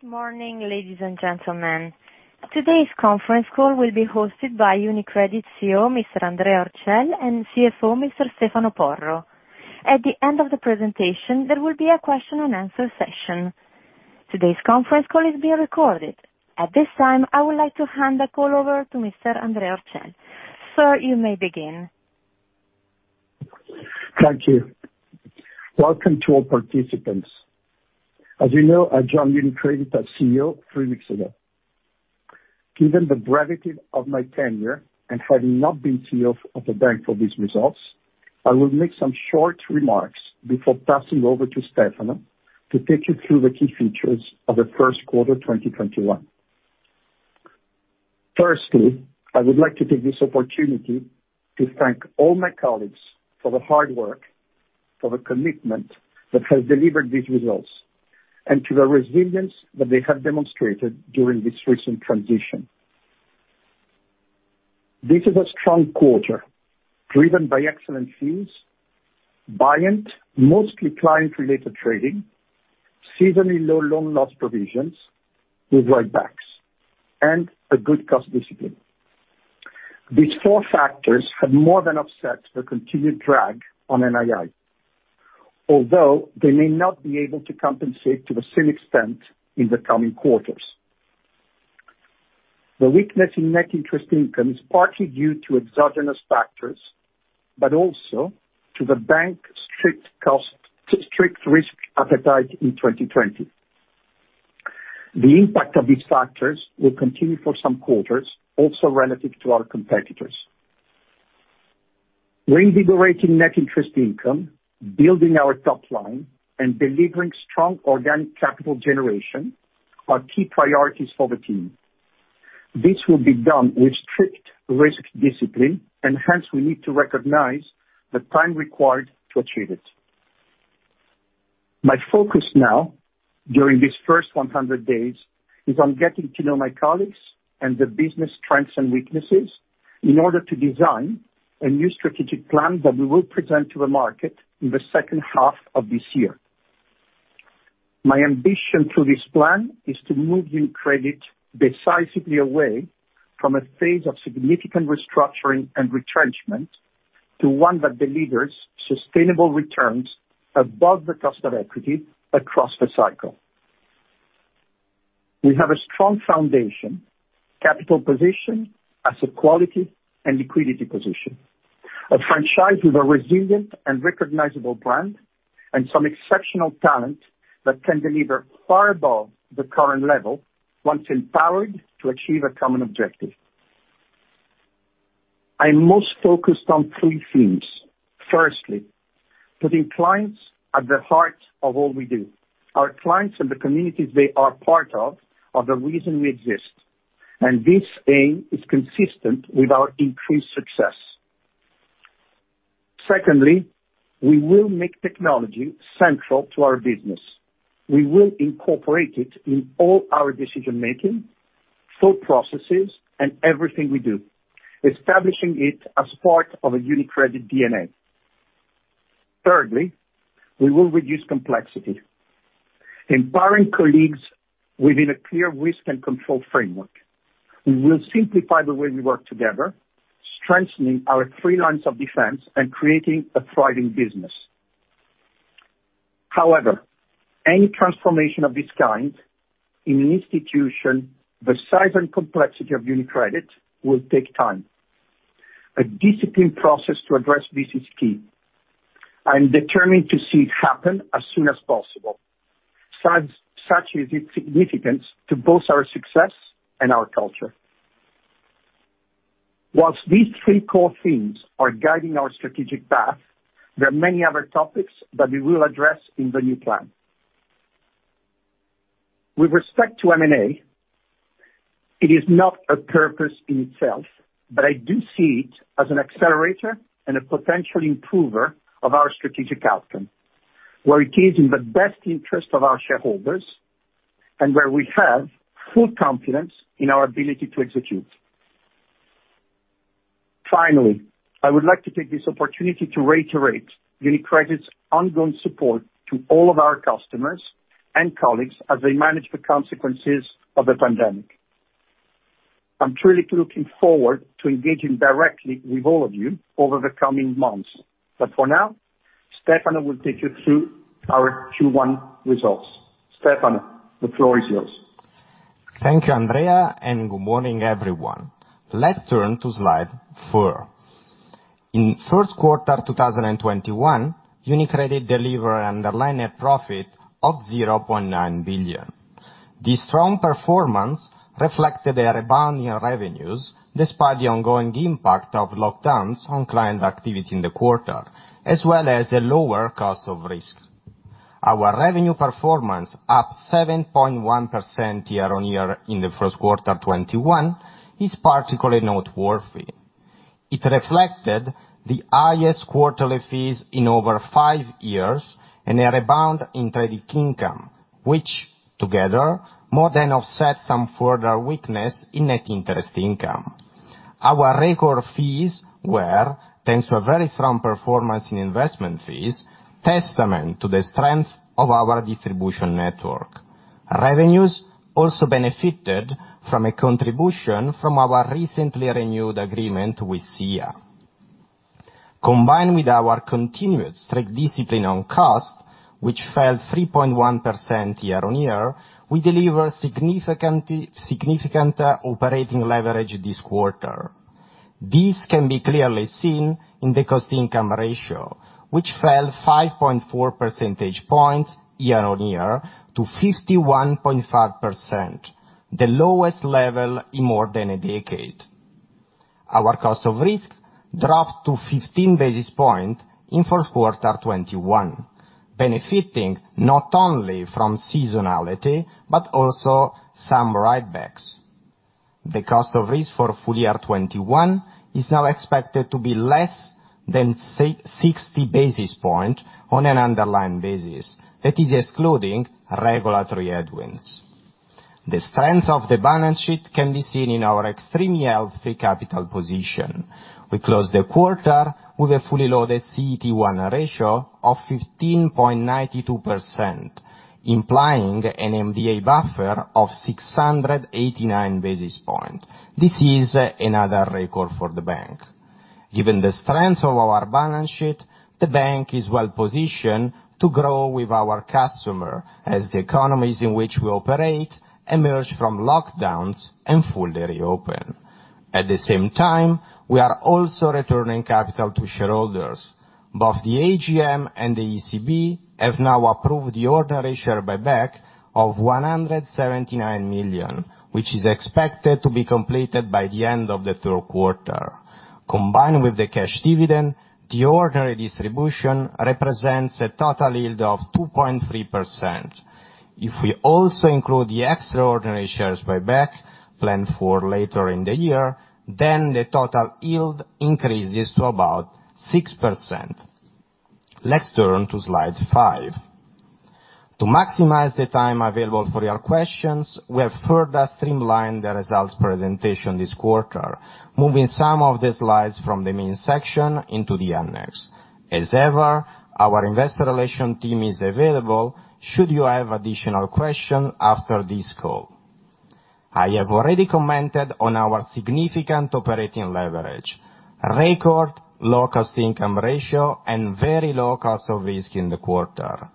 Good morning, ladies and gentlemen. Today's conference call will be hosted by UniCredit CEO, Mr. Andrea Orcel, and CFO, Mr. Stefano Porro. At the end of the presentation, there will be a question and answer session. Today's conference call is being recorded. At this time, I would like to hand the call over to Mr. Andrea Orcel. Sir, you may begin. Thank you. Welcome to all participants. As you know, I joined UniCredit as CEO three weeks ago. Given the brevity of my tenure and having not been CEO of the bank for these results, I will make some short remarks before passing over to Stefano to take you through the key features of the first quarter 2021. Firstly, I would like to take this opportunity to thank all my colleagues for the hard work, for the commitment that has delivered these results, and to the resilience that they have demonstrated during this recent transition. This is a strong quarter, driven by excellent fees, buoyant, mostly client-related trading, seasonally low loan loss provisions with write backs, and a good cost discipline. These four factors have more than offset the continued drag on NII, although they may not be able to compensate to the same extent in the coming quarters. The weakness in net interest income is partly due to exogenous factors, but also to the bank's strict risk appetite in 2020. The impact of these factors will continue for some quarters, also relative to our competitors. Reinvigorating net interest income, building our top line, and delivering strong organic capital generation are key priorities for the team. This will be done with strict risk discipline, and hence we need to recognize the time required to achieve it. My focus now, during these first 100 days, is on getting to know my colleagues and the business strengths and weaknesses in order to design a new strategic plan that we will present to the market in the second half of this year. My ambition through this plan is to move UniCredit decisively away from a phase of significant restructuring and retrenchment to one that delivers sustainable returns above the cost of equity across the cycle. We have a strong foundation, capital position, asset quality, and liquidity position, a franchise with a resilient and recognizable brand, and some exceptional talent that can deliver far above the current level once empowered to achieve a common objective. I'm most focused on three themes. Firstly, putting clients at the heart of all we do. Our clients and the communities they are part of, are the reason we exist, and this aim is consistent with our increased success. Secondly, we will make technology central to our business. We will incorporate it in all our decision-making, thought processes, and everything we do, establishing it as part of a UniCredit DNA. Thirdly, we will reduce complexity, empowering colleagues within a clear risk and control framework. We will simplify the way we work together, strengthening our three lines of defense and creating a thriving business. However, any transformation of this kind in an institution the size and complexity of UniCredit will take time. A disciplined process to address this is key. I'm determined to see it happen as soon as possible, such is its significance to both our success and our culture. While these three core themes are guiding our strategic path, there are many other topics that we will address in the new plan. With respect to M&A, it is not a purpose in itself, but I do see it as an accelerator and a potential improver of our strategic outcome, where it is in the best interest of our shareholders and where we have full confidence in our ability to execute. Finally, I would like to take this opportunity to reiterate UniCredit's ongoing support to all of our customers and colleagues as they manage the consequences of the pandemic. I'm truly looking forward to engaging directly with all of you over the coming months. For now, Stefano will take you through our Q1 results. Stefano, the floor is yours. Thank you, Andrea, and good morning, everyone. Let's turn to slide four. In first quarter 2021, UniCredit delivered underlying net profit of 0.9 billion. This strong performance reflected a rebound in revenues, despite the ongoing impact of lockdowns on client activity in the quarter, as well as a lower cost of risk. Our revenue performance up 7.1% year-on-year in the first quarter 2021 is particularly noteworthy. It reflected the highest quarterly fees in over five years and a rebound in trading income, which together more than offset some further weakness in net interest income. Our record fees were, thanks to a very strong performance in investment fees, testament to the strength of our distribution network. Revenues also benefited from a contribution from our recently renewed agreement with SIA. Combined with our continuous strict discipline on cost, which fell 3.1% year-on-year, we delivered significant operating leverage this quarter. This can be clearly seen in the cost-income ratio, which fell 5.4 percentage points year-over-year to 51.5%, the lowest level in more than a decade. Our cost of risk dropped to 15 basis points in first quarter 2021, benefiting not only from seasonality, but also some write-backs. The cost of risk for full year 2021 is now expected to be less than 60 basis points on an underlying basis, that is excluding regulatory headwinds. The strength of the balance sheet can be seen in our extremely healthy capital position. We closed the quarter with a fully loaded CET1 ratio of 15.92%, implying an MDA buffer of 689 basis points. This is another record for the bank. Given the strength of our balance sheet, the bank is well-positioned to grow with our customer as the economies in which we operate emerge from lockdowns and fully reopen. At the same time, we are also returning capital to shareholders. Both the AGM and the ECB have now approved the ordinary share buyback of 179 million, which is expected to be completed by the end of the third quarter. Combined with the cash dividend, the ordinary distribution represents a total yield of 2.3%. If we also include the extraordinary shares buyback planned for later in the year, then the total yield increases to about 6%. Let's turn to slide five. To maximize the time available for your questions, we have further streamlined the results presentation this quarter, moving some of the slides from the main section into the annex. As ever, our Investor Relations team is available should you have additional questions after this call. I have already commented on our significant operating leverage, record low cost income ratio, and very low cost of risk in the quarter.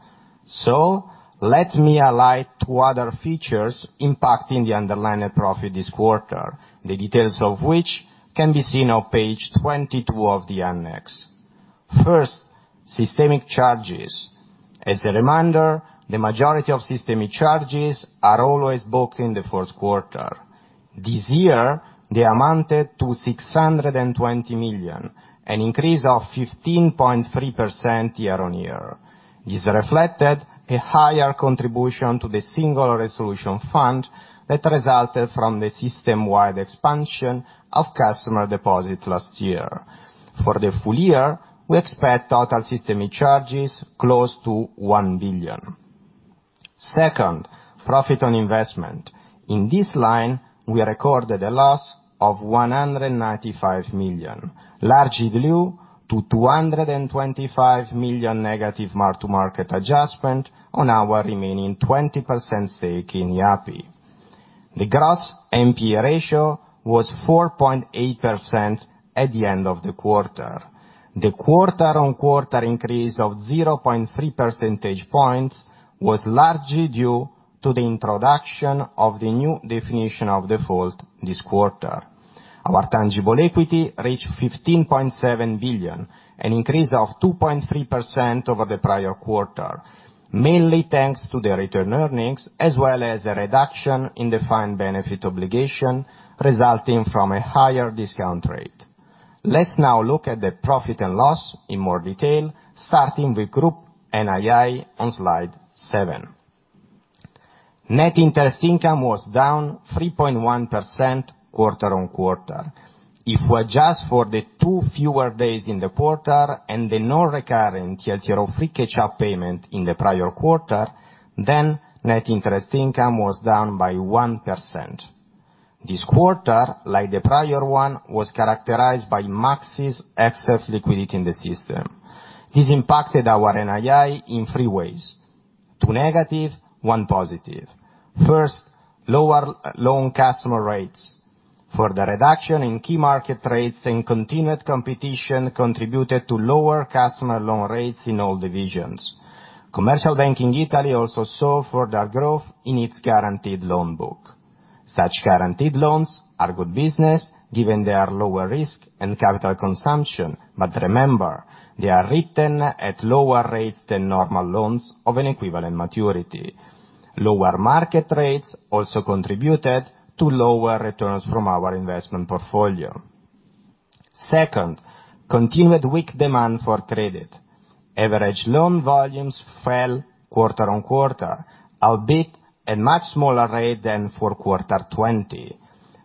Let me highlight two other features impacting the underlying profit this quarter, the details of which can be seen on page 22 of the annex. First, systemic charges. As a reminder, the majority of systemic charges are always booked in the first quarter. This year, they amounted to 620 million, an increase of 15.3% year-on-year. This reflected a higher contribution to the Single Resolution Fund that resulted from the system-wide expansion of customer deposits last year. For the full year, we expect total systemic charges close to 1 billion. Second, profit on investment. In this line, we recorded a loss of 195 million, largely due to 225 million negative mark-to-market adjustment on our remaining 20% stake in Yapi. The gross NPA ratio was 4.8% at the end of the quarter. The quarter-on-quarter increase of 0.3 percentage points was largely due to the introduction of the new definition of default this quarter. Our tangible equity reached 15.7 billion, an increase of 2.3% over the prior quarter, mainly thanks to the return earnings as well as a reduction in defined benefit obligation resulting from a higher discount rate. Let's now look at the profit and loss in more detail, starting with group NII on slide seven. Net interest income was down 3.1% quarter-on-quarter. If we adjust for the two fewer days in the quarter and the non-recurring TLTRO III catch-up payment in the prior quarter, net interest income was down by 1%. This quarter, like the prior one, was characterized by maxi excess liquidity in the system. This impacted our NII in three ways, two negative, one positive. First, lower loan customer rates. Further reduction in key market rates and continued competition contributed to lower customer loan rates in all divisions. Commercial Banking Italy also saw further growth in its guaranteed loan book. Such guaranteed loans are good business given their lower risk and capital consumption. Remember, they are written at lower rates than normal loans of an equivalent maturity. Lower market rates also contributed to lower returns from our investment portfolio. Second, continued weak demand for credit. Average loan volumes fell quarter-on-quarter, albeit a much smaller rate than for fourth quarter 2020.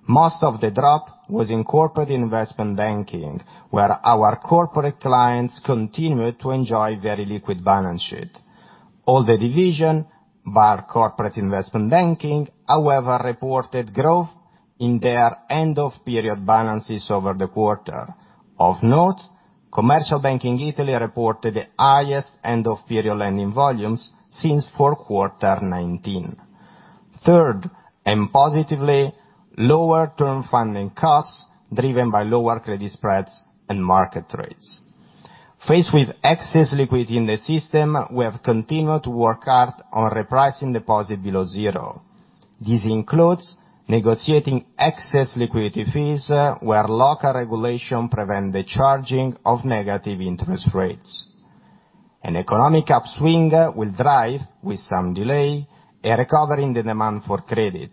Most of the drop was in Corporate & Investment Banking, where our corporate clients continued to enjoy very liquid balance sheet. All the divisions, bar Corporate & Investment Banking, however, reported growth in their end-of-period balances over the quarter. Of note, Commercial Banking Italy reported the highest end-of-period lending volumes since fourth quarter 2019. Third, and positively, lower term funding costs driven by lower credit spreads and market rates. Faced with excess liquidity in the system, we have continued to work hard on repricing deposit below zero. This includes negotiating excess liquidity fees, where local regulation prevent the charging of negative interest rates. An economic upswing will drive, with some delay, a recovery in the demand for credit,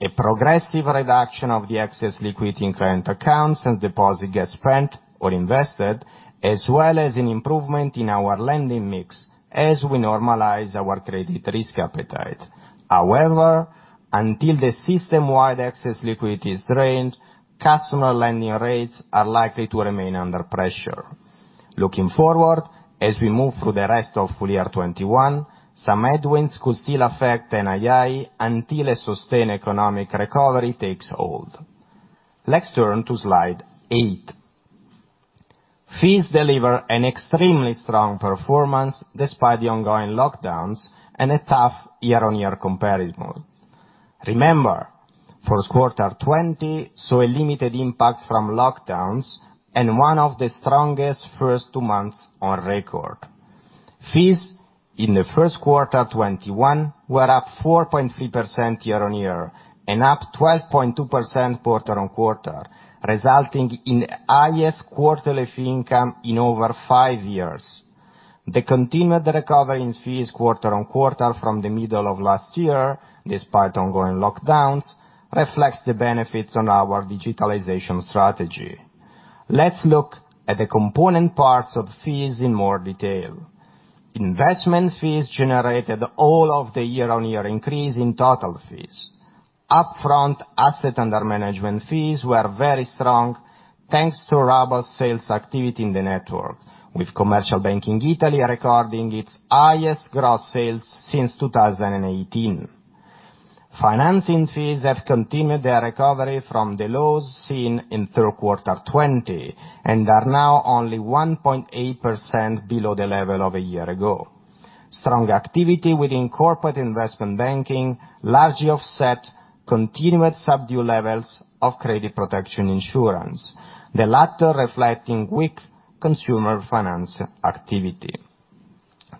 a progressive reduction of the excess liquidity in current accounts and deposit gets spent or invested, as well as an improvement in our lending mix as we normalize our credit risk appetite. However, until the system-wide excess liquidity is drained, customer lending rates are likely to remain under pressure. Looking forward, as we move through the rest of full year 2021, some headwinds could still affect NII until a sustained economic recovery takes hold. Let's turn to slide eight. Fees deliver an extremely strong performance despite the ongoing lockdowns and a tough year-on-year comparison. Remember, first quarter 2020 saw a limited impact from lockdowns and one of the strongest first two months on record. Fees in the first quarter 2021 were up 4.3% year-on-year and up 12.2% quarter-on-quarter, resulting in the highest quarterly fee income in over five years. The continued recovery in fees quarter-on-quarter from the middle of last year, despite ongoing lockdowns, reflects the benefits on our digitalization strategy. Let's look at the component parts of fees in more detail. Investment fees generated all of the year-on-year increase in total fees. Upfront asset under management fees were very strong, thanks to robust sales activity in the network, with Commercial Banking Italy recording its highest gross sales since 2018. Financing fees have continued their recovery from the lows seen in third quarter 2020, and are now only 1.8% below the level of a year ago. Strong activity within Corporate & Investment Banking largely offset continued subdued levels of credit protection insurance, the latter reflecting weak consumer finance activity.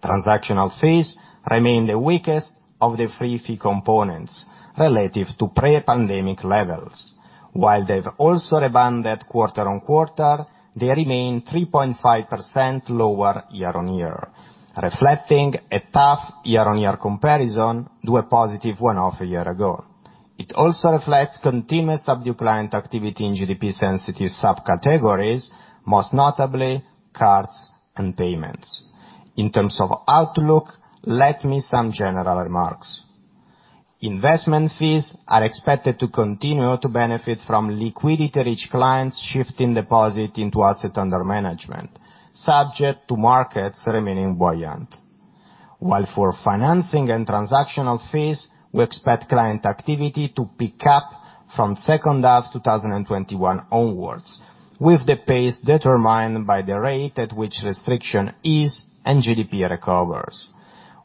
Transactional fees remain the weakest of the three fee components relative to pre-pandemic levels. While they've also rebounded quarter-on-quarter, they remain 3.5% lower year-on-year, reflecting a tough year-on-year comparison to a positive one-off a year ago. It also reflects continued subdued client activity in GDP-sensitive subcategories, most notably cards and payments. In terms of outlook, let me some general remarks. Investment fees are expected to continue to benefit from liquidity-rich clients shifting deposit into assets under management, subject to markets remaining buoyant. While for financing and transactional fees, we expect client activity to pick up from second half 2021 onwards, with the pace determined by the rate at which restriction ease and GDP recovers.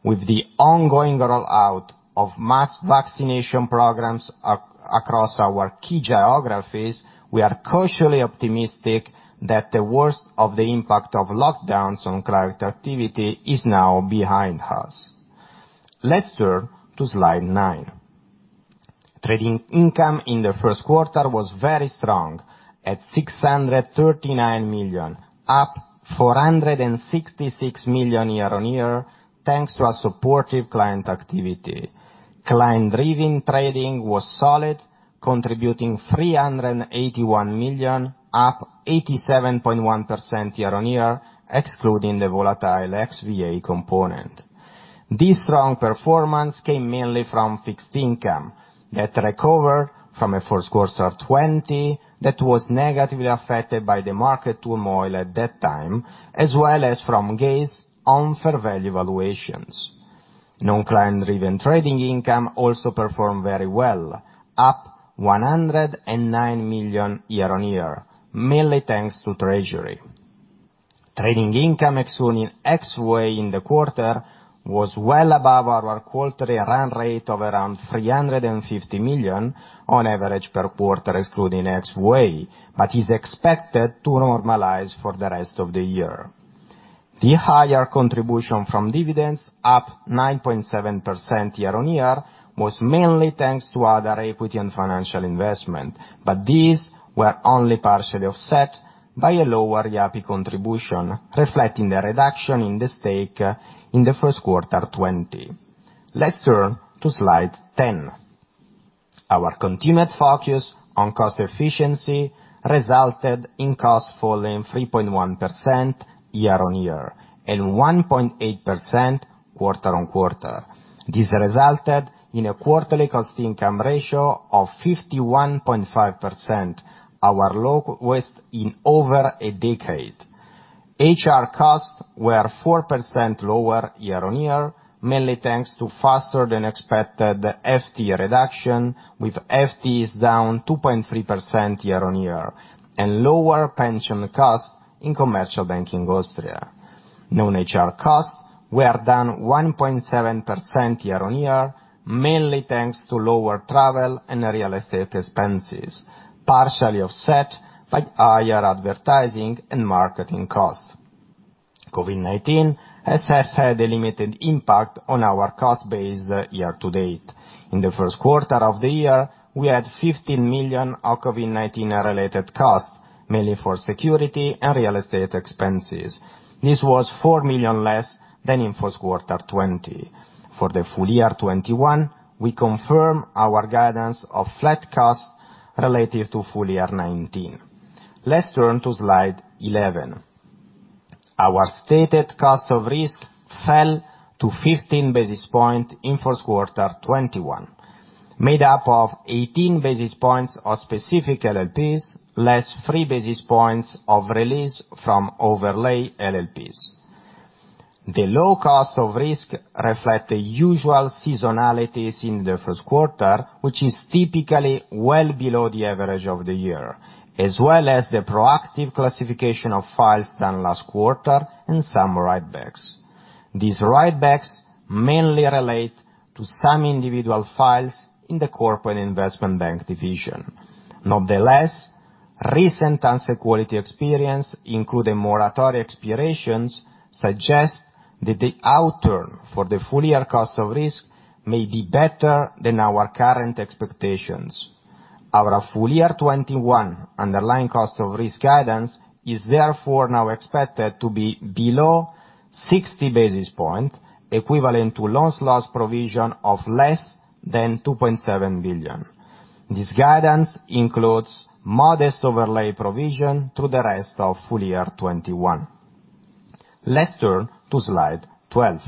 With the ongoing rollout of mass vaccination programs across our key geographies, we are cautiously optimistic that the worst of the impact of lockdowns on client activity is now behind us. Let's turn to slide nine. Trading income in the first quarter was very strong, at 639 million, up 466 million year-on-year, thanks to our supportive client activity. Client-driven trading was solid, contributing 381 million, up 87.1% year-on-year, excluding the volatile XVA component. This strong performance came mainly from fixed income that recovered from a first quarter of 2020 that was negatively affected by the market turmoil at that time, as well as from gains on fair value valuations. Non-client driven trading income also performed very well, up 109 million year-on-year, mainly thanks to treasury. Trading income excluding XVA in the quarter was well above our quarterly run rate of around 350 million on average per quarter excluding XVA, is expected to normalize for the rest of the year. The higher contribution from dividends, up 9.7% year-on-year, was mainly thanks to other equity and financial investment, but these were only partially offset by a lower Yapi contribution, reflecting the reduction in the stake in the first quarter 2020. Let's turn to slide 10. Our continued focus on cost efficiency resulted in costs falling 3.1% year-on-year and 1.8% quarter-on-quarter. This resulted in a quarterly cost-to-income ratio of 51.5%, our lowest in over a decade. HR costs were 4% lower year-on-year, mainly thanks to faster than expected FTE reduction, with FTEs down 2.3% year-on-year, and lower pension costs in Commercial Banking Austria. Non-HR costs were down 1.7% year-on-year, mainly thanks to lower travel and real estate expenses, partially offset by higher advertising and marketing costs. COVID-19 has had a limited impact on our cost base year to date. In the first quarter of the year, we had 15 million of COVID-19 related costs, mainly for security and real estate expenses. This was 4 million less than in first quarter 2020. For the full year 2021, we confirm our guidance of flat costs relative to full year 2019. Let's turn to slide 11. Our stated cost of risk fell to 15 basis points in first quarter 2021, made up of 18 basis points of specific LLPs, less 3 basis points of release from overlay LLPs. The low cost of risk reflects the usual seasonalities in the first quarter, which is typically well below the average of the year, as well as the proactive classification of files in the last quarter and some write-backs. These write-backs mainly relate to some individual files in the Corporate & Investment Banking division. Nonetheless, recent asset quality experience, including moratoria expirations, suggests that the outturn for the full year cost of risk may be better than our current expectations. Our full year 2021 underlying cost of risk guidance is therefore now expected to be below 60 basis points, equivalent to loss provision of less than 2.7 billion. This guidance includes modest overlay provision through the rest of full year 2021. Let's turn to slide 12.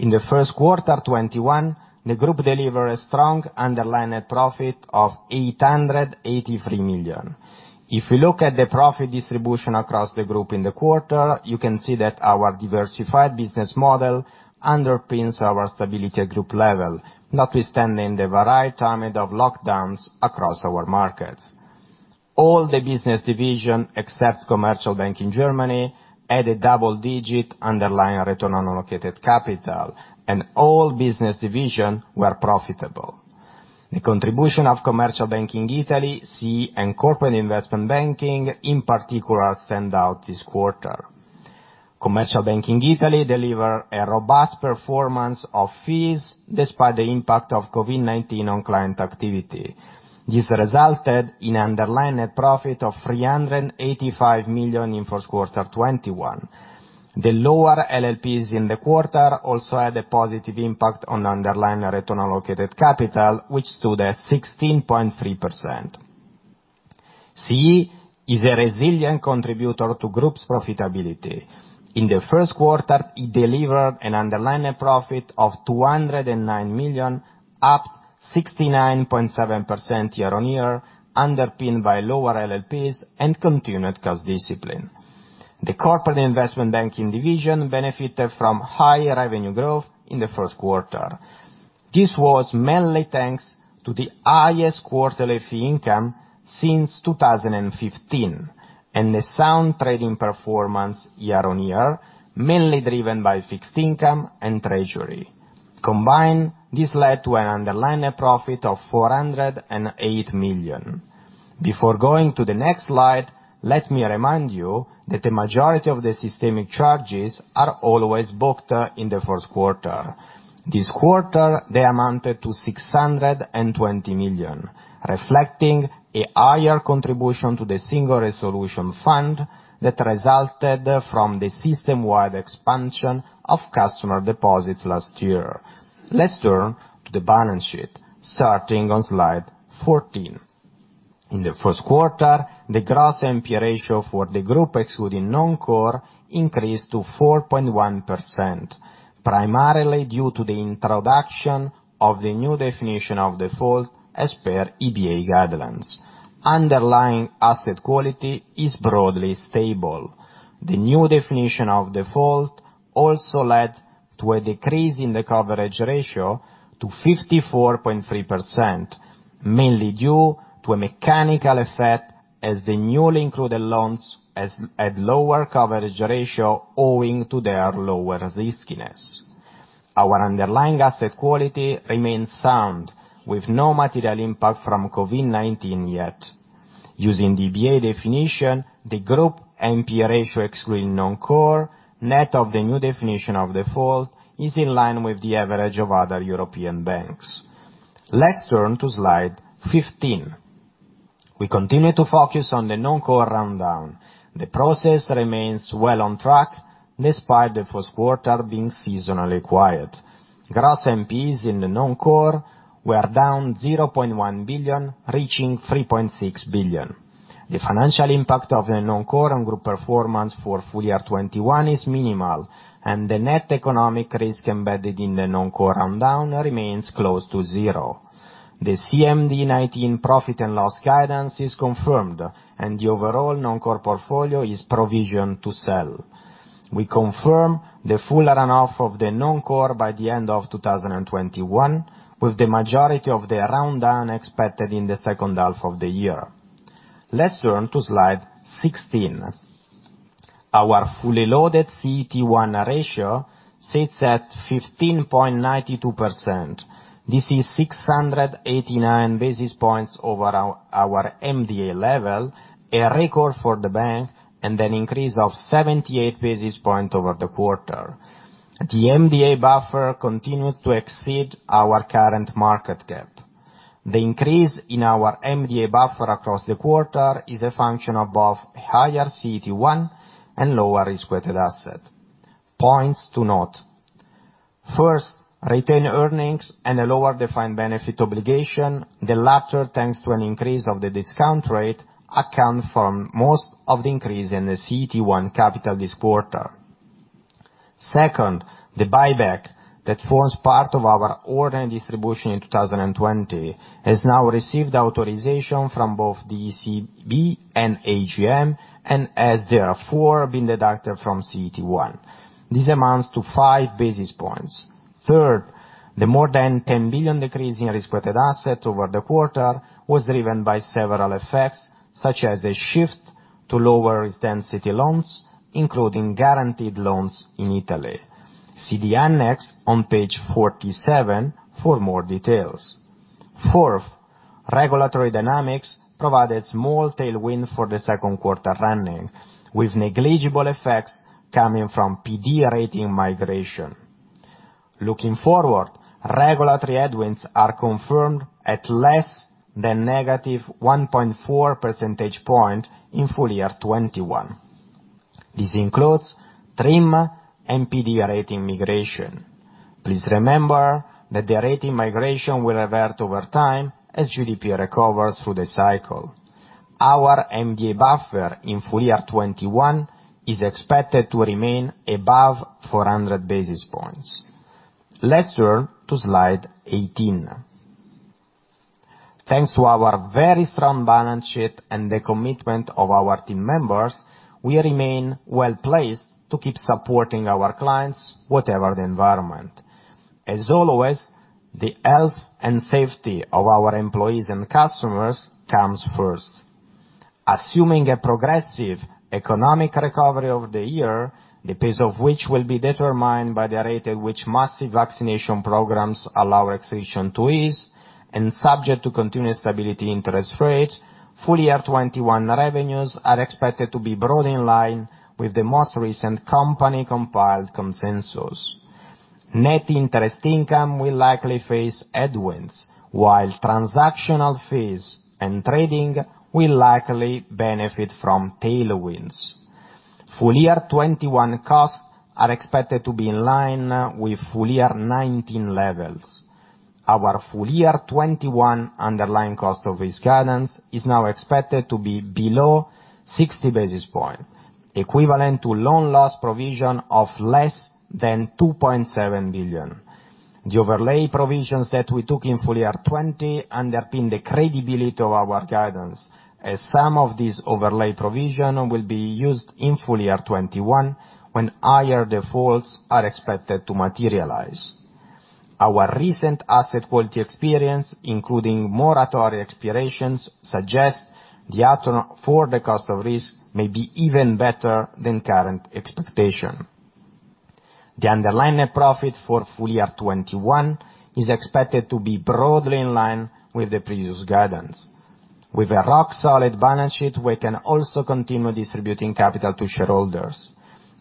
In the first quarter 2021, the group delivered a strong underlying net profit of 883 million. If we look at the profit distribution across the group in the quarter, you can see that our diversified business model underpins our stability at group level, notwithstanding the varied timing of lockdowns across our markets. All the business division, except Commercial Banking Germany, had a double-digit underlying return on allocated capital. All business division were profitable. The contribution of Commercial Banking Italy, CEE, and Corporate & Investment Banking, in particular, stand out this quarter. Commercial Banking Italy deliver a robust performance of fees, despite the impact of COVID-19 on client activity. This resulted in underlying net profit of 385 million in first quarter 2021. The lower LLPs in the quarter also had a positive impact on underlying return allocated capital, which stood at 16.3%. CEE is a resilient contributor to group's profitability. In the first quarter, it delivered an underlying profit of 209 million, up 69.7% year-on-year, underpinned by lower LLPs and continued cost discipline. The Corporate & Investment Banking division benefited from higher revenue growth in the first quarter. This was mainly thanks to the highest quarterly fee income since 2015, and the sound trading performance year-on-year, mainly driven by fixed income and treasury. Combined, this led to an underlying profit of 408 million. Before going to the next slide, let me remind you that the majority of the systemic charges are always booked in the first quarter. This quarter, they amounted to 620 million, reflecting a higher contribution to the Single Resolution Fund that resulted from the system-wide expansion of customer deposits last year. Let's turn to the balance sheet, starting on slide 14. In the first quarter, the gross NPA ratio for the group excluding non-core increased to 4.1%, primarily due to the introduction of the new definition of default as per EBA guidelines. Underlying asset quality is broadly stable. The new definition of default also led to a decrease in the coverage ratio to 54.3%, mainly due to a mechanical effect as the newly included loans had lower coverage ratio owing to their lower riskiness. Our underlying asset quality remains sound, with no material impact from COVID-19 yet. Using the EBA definition, the group NPA ratio excluding non-core, net of the new definition of default, is in line with the average of other European banks. Let's turn to slide 15. We continue to focus on the non-core rundown. The process remains well on track, despite the first quarter being seasonally quiet. Gross NPAs in the non-core were down 0.1 billion, reaching 3.6 billion. The financial impact of the non-core on group performance for full year 2021 is minimal. The net economic risk embedded in the non-core rundown remains close to zero. The CMD 19 profit and loss guidance is confirmed. The overall non-core portfolio is provision to sell. We confirm the full run-off of the non-core by the end of 2021, with the majority of the rundown expected in the second half of the year. Let's turn to slide 16. Our fully loaded CET1 ratio sits at 15.92%. This is 689 basis points over our MDA level, a record for the bank. An increase of 78 basis points over the quarter. The MDA buffer continues to exceed our current market cap. The increase in our MDA buffer across the quarter is a function of both higher CET1 and lower-risk-weighted assets. Points to note. First, retained earnings and a lower defined benefit obligation, the latter thanks to an increase of the discount rate, account for most of the increase in the CET1 capital this quarter. Second, the buyback that forms part of our ordinary distribution in 2020 has now received authorization from both the ECB and AGM, and has therefore been deducted from CET1. This amounts to 5 basis points. Third, the more than 10 billion decrease in risk-weighted assets over the quarter was driven by several effects, such as the shift to lower-risk-density loans, including guaranteed loans in Italy. See the annex on page 47 for more details. Fourth, regulatory dynamics provided small tailwind for the second quarter earning, with negligible effects coming from PD rating migration. Looking forward, regulatory headwinds are confirmed at less than -1.4 percentage point in full-year 2021. This includes TRIM and PD rating migration. Please remember that the rating migration will revert over time as GDP recovers through the cycle. Our MDA buffer in full-year 2021 is expected to remain above 400 basis points. Let's turn to slide 18. Thanks to our very strong balance sheet and the commitment of our team members, we remain well-placed to keep supporting our clients, whatever the environment. As always, the health and safety of our employees and customers comes first. Assuming a progressive economic recovery over the year, the pace of which will be determined by the rate at which massive vaccination programs allow restriction to ease, and subject to continued stability interest rates, full-year 2021 revenues are expected to be broadly in line with the most recent company-compiled consensus. Net interest income will likely face headwinds, while transactional fees and trading will likely benefit from tailwinds. Full-year 2021 costs are expected to be in line with full-year 2019 levels. Our full-year 2021 underlying cost of risk guidance is now expected to be below 60 basis points, equivalent to Loan Loss Provision of less than 2.7 billion. The overlay provisions that we took in full-year 2020 underpin the credibility of our guidance, as some of these overlay provision will be used in full-year 2021, when higher defaults are expected to materialize. Our recent asset quality experience, including moratoria expirations, suggest the outcome for the cost of risk may be even better than current expectation. The underlying net profit for full-year 2021 is expected to be broadly in line with the previous guidance. With a rock-solid balance sheet, we can also continue distributing capital to shareholders.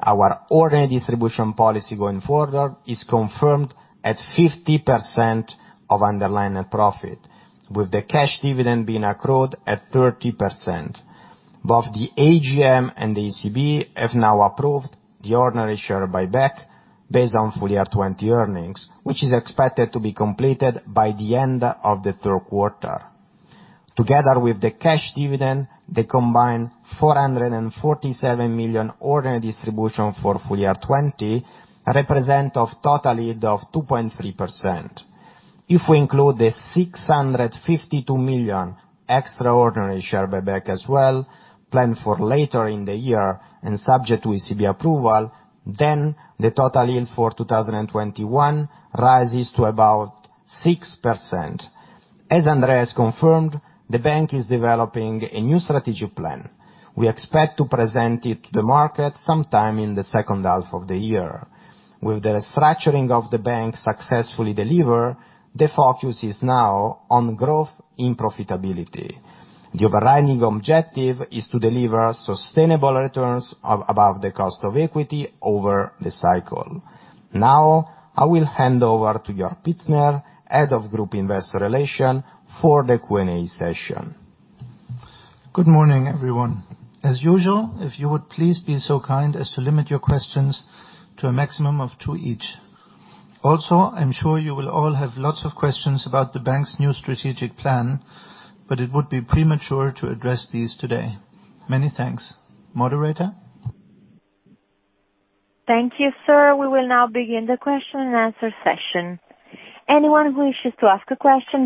Our ordinary distribution policy going forward is confirmed at 50% of underlying net profit, with the cash dividend being accrued at 30%. Both the AGM and the ECB have now approved the ordinary share buyback based on full-year 2020 earnings, which is expected to be completed by the end of the third quarter. Together with the cash dividend, the combined 447 million ordinary distribution for full-year 2020 represent a total yield of 2.3%. If we include the 652 million extraordinary share buyback as well, planned for later in the year and subject to ECB approval, the total yield for 2021 rises to about 6%. As Andrea confirmed, the bank is developing a new strategic plan. We expect to present it to the market sometime in the second half of the year. With the restructuring of the bank successfully delivered, the focus is now on growth in profitability. The overriding objective is to deliver sustainable returns of above the cost of equity over the cycle. I will hand over to Jörg Pietzner, Head of Group Investor Relations, for the Q&A session. Good morning, everyone. As usual, if you would please be so kind as to limit your questions to a maximum of two each. Also, I'm sure you will all have lots of questions about the bank's new strategic plan, but it would be premature to address these today. Many thanks. Moderator? Thank you, sir. We will now begin the question and answer session. The first question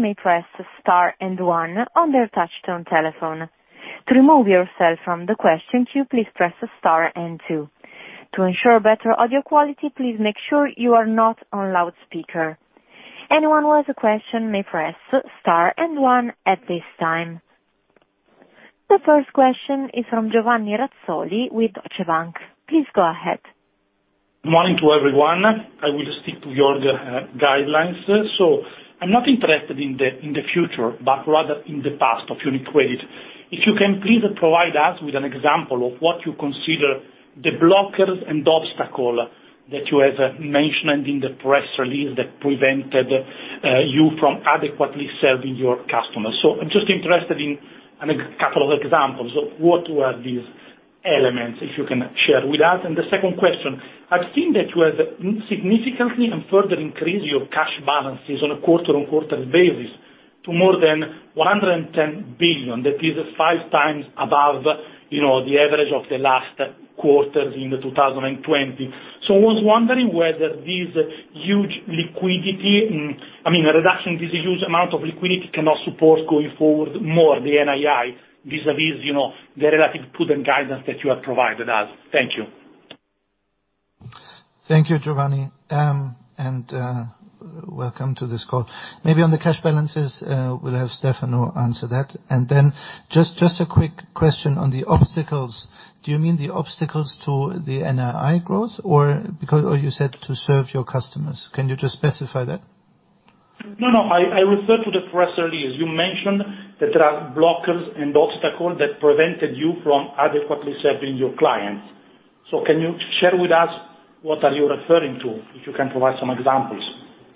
is from Giovanni Razzoli with Deutsche Bank. Please go ahead. Morning to everyone. I will stick to your guidelines. I'm not interested in the future, but rather in the past of UniCredit. If you can please provide us with an example of what you consider the blockers and obstacle that you have mentioned in the press release that prevented you from adequately serving your customers. I'm just interested in a couple of examples of what were these elements, if you can share with us. The second question, I've seen that you have significantly and further increased your cash balances on a quarter-on-quarter basis to more than 110 billion. That is 5x above the average of the last quarters in 2020. I was wondering whether this huge liquidity, I mean, a reduction in this huge amount of liquidity cannot support going forward more the NII vis-a-vis the relative prudent guidance that you have provided us. Thank you. Thank you, Giovanni. Welcome to this call. Maybe on the cash balances, we'll have Stefano answer that. Then just a quick question on the obstacles. Do you mean the obstacles to the NII growth? You said to serve your customers. Can you just specify that? No, I refer to the press release. You mentioned that there are blockers and obstacles that prevented you from adequately serving your clients. Can you share with us what are you referring to, if you can provide some examples?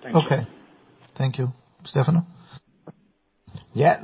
Thank you. Okay. Thank you. Stefano? Yeah.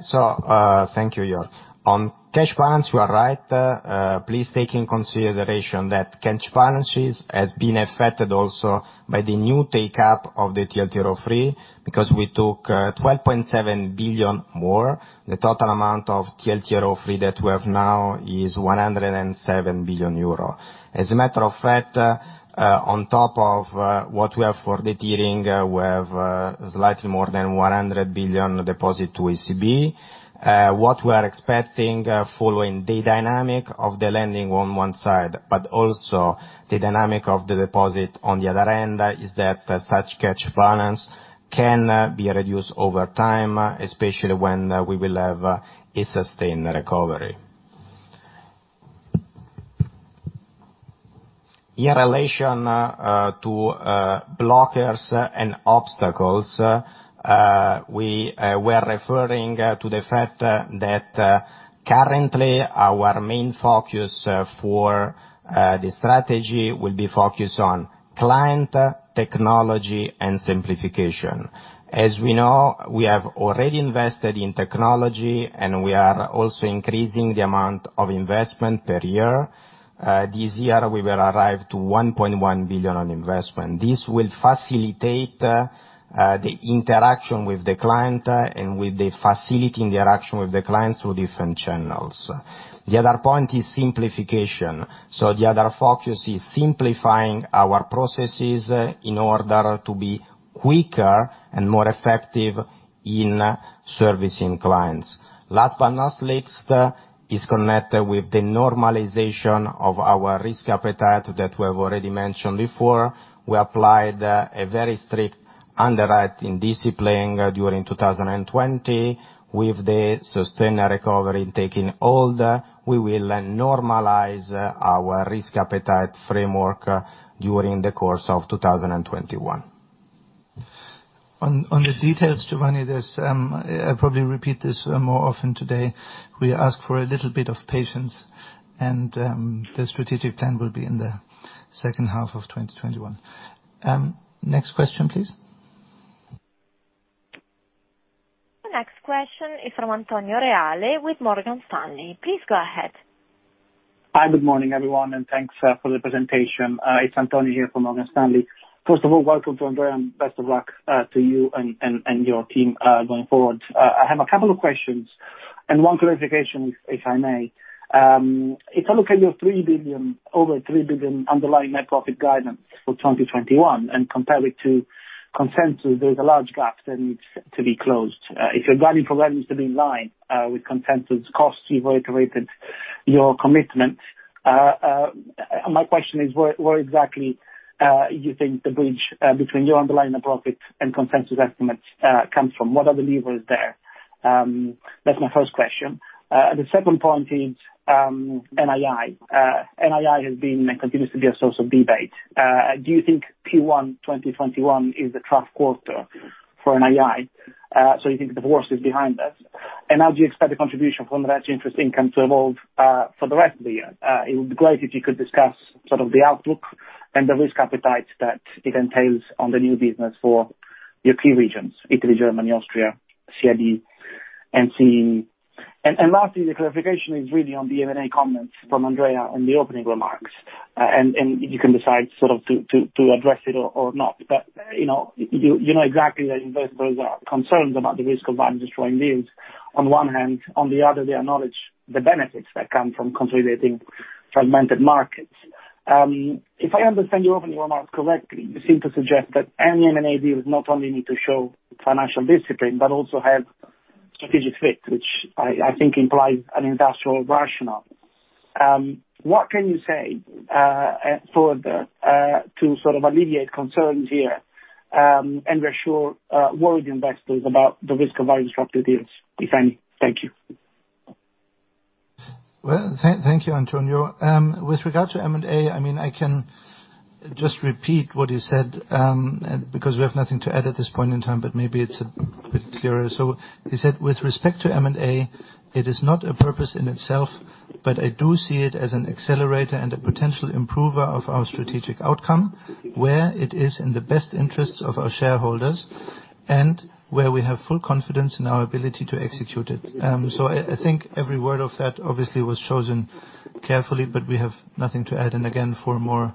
Thank you, Jörg. On cash balance, you are right. Please take in consideration that cash balances has been affected also by the new take-up of the TLTRO III, because we took 12.7 billion more. The total amount of TLTRO III that we have now is 107 billion euro. As a matter of fact, on top of what we have for de-tiering, we have slightly more than 100 billion deposit to ECB. What we are expecting following the dynamic of the lending on one side, but also the dynamic of the deposit on the other end, is that such cash balance can be reduced over time, especially when we will have a sustained recovery. In relation to blockers and obstacles, we were referring to the fact that currently our main focus for the strategy will be focused on client, technology, and simplification. As we know, we have already invested in technology, and we are also increasing the amount of investment per year. This year, we will arrive to 1.1 billion on investment. This will facilitate the interaction with the client and with the facility interaction through different channels. The other point is simplification. The other focus is simplifying our processes in order to be quicker and more effective in servicing clients. Last but not least, is connected with the normalization of our risk appetite that we have already mentioned before. We applied a very strict underwriting discipline during 2020. With the sustained recovery taking hold, we will normalize our risk appetite framework during the course of 2021. On the details, Giovanni, I'll probably repeat this more often today. We ask for a little bit of patience, and the strategic plan will be in the second half of 2021. Next question, please. Next question is from Antonio Reale with Morgan Stanley. Please go ahead. Hi. Good morning, everyone, and thanks for the presentation. It's Antonio here from Morgan Stanley. First of all, welcome to Andrea, and best of luck to you and your team going forward. I have a couple of questions and one clarification, if I may. If I look at your over 3 billion underlying net profit guidance for 2021 and compare it to consensus, there's a large gap that needs to be closed. If your guiding for that needs to be in line with consensus costs, you've reiterated your commitment. My question is, where exactly you think the bridge between your underlying net profit and consensus estimates comes from. What are the levers there? That's my first question. The second point is NII. NII has been and continues to be a source of debate. Do you think Q1 2021 is the trough quarter for NII? You think the worst is behind us? How do you expect the contribution from the net interest income to evolve for the rest of the year? It would be great if you could discuss sort of the outlook and the risk appetite that it entails on the new business for your key regions, Italy, Germany, Austria, CIB, CEE. Lastly, the clarification is really on the M&A comments from Andrea on the opening remarks, and you can decide to address it or not. You know exactly that investors are concerned about the risk of value-destroying [deals] on one hand. On the other, they acknowledge the benefits that come from consolidating fragmented markets. If I understand your opening remarks correctly, you seem to suggest that any M&A deals not only need to show financial discipline, but also have strategic fit, which I think implies an industrial rationale. What can you say further to sort of alleviate concerns here, and reassure worried investors about the risk of our disruptive deals, if any? Thank you. Thank you, Antonio. With regard to M&A, I can just repeat what you said, because we have nothing to add at this point in time, but maybe it's a bit clearer. You said with respect to M&A, it is not a purpose in itself, but I do see it as an accelerator and a potential improver of our strategic outcome, where it is in the best interest of our shareholders, and where we have full confidence in our ability to execute it. I think every word of that obviously was chosen carefully, but we have nothing to add. Again, for more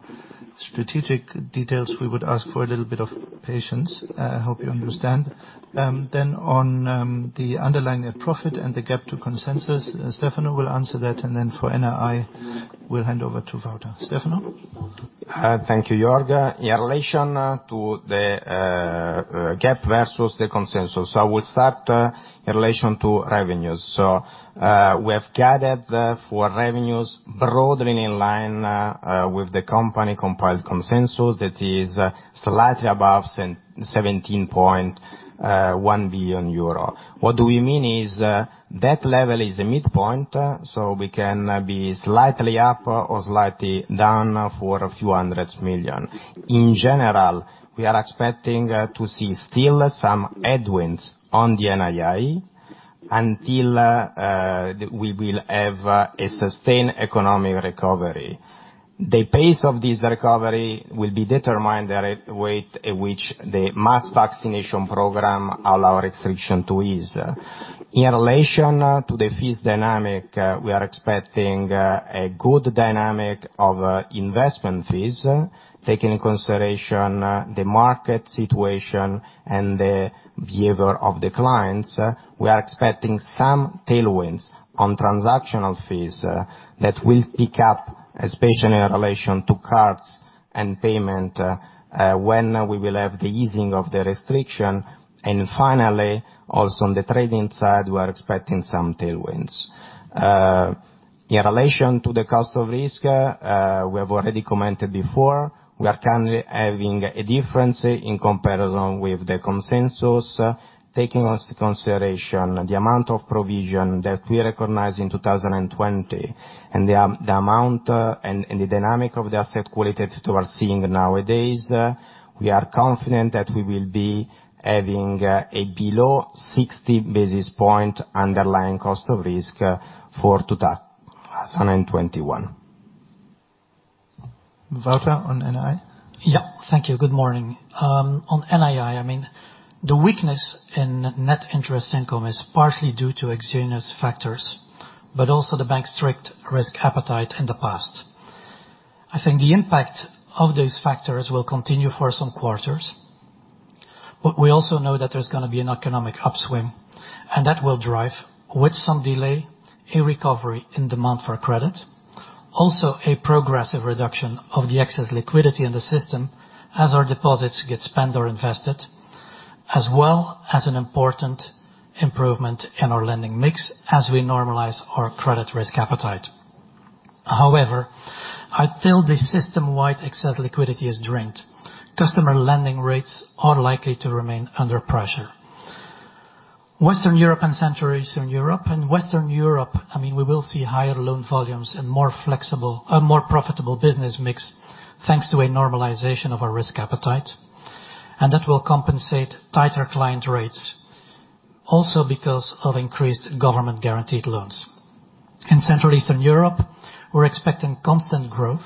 strategic details, we would ask for a little bit of patience. I hope you understand. On the underlying net profit and the gap to consensus, Stefano will answer that, and then for NII, we'll hand over to Wouter. Stefano. Thank you, Jörg. In relation to the gap versus the consensus. We'll start in relation to revenues. We have guided for revenues broadly in line with the company compiled consensus that is slightly above 17.1 billion euro. What we mean is that level is a midpoint, so we can be slightly up or slightly down for a few 100 million. In general, we are expecting to see still some headwinds on the NII until we will have a sustained economic recovery. The pace of this recovery will be determined at the rate in which the mass vaccination program allow restriction to ease. In relation to the fees dynamic, we are expecting a good dynamic of investment fees, taking in consideration the market situation and the behavior of the clients. We are expecting some tailwinds on transactional fees that will pick up, especially in relation to cards and payment, when we will have the easing of the restriction. Finally, also on the trading side, we're expecting some tailwinds. In relation to the cost of risk, we have already commented before, we are currently having a difference in comparison with the consensus, taking into consideration the amount of provision that we recognized in 2020. The amount and the dynamic of the asset quality that we are seeing nowadays, we are confident that we will be having a below 60 basis point underlying cost of risk for total 2021. Wouter, on NII? Yeah. Thank you. Good morning. On NII, the weakness in net interest income is partially due to exogenous factors, but also the bank's strict risk appetite in the past. I think the impact of those factors will continue for some quarters, but we also know that there's going to be an economic upswing, and that will drive, with some delay, a recovery in demand for credit. Also, a progressive reduction of the excess liquidity in the system as our deposits get spent or invested, as well as an important improvement in our lending mix as we normalize our credit risk appetite. However, until the system-wide excess liquidity is drained, customer lending rates are likely to remain under pressure. Western Europe and Central Eastern Europe, in Western Europe, we will see higher loan volumes and a more profitable business mix thanks to a normalization of our risk appetite, and that will compensate tighter client rates, also because of increased government-guaranteed loans. In Central Eastern Europe, we're expecting constant growth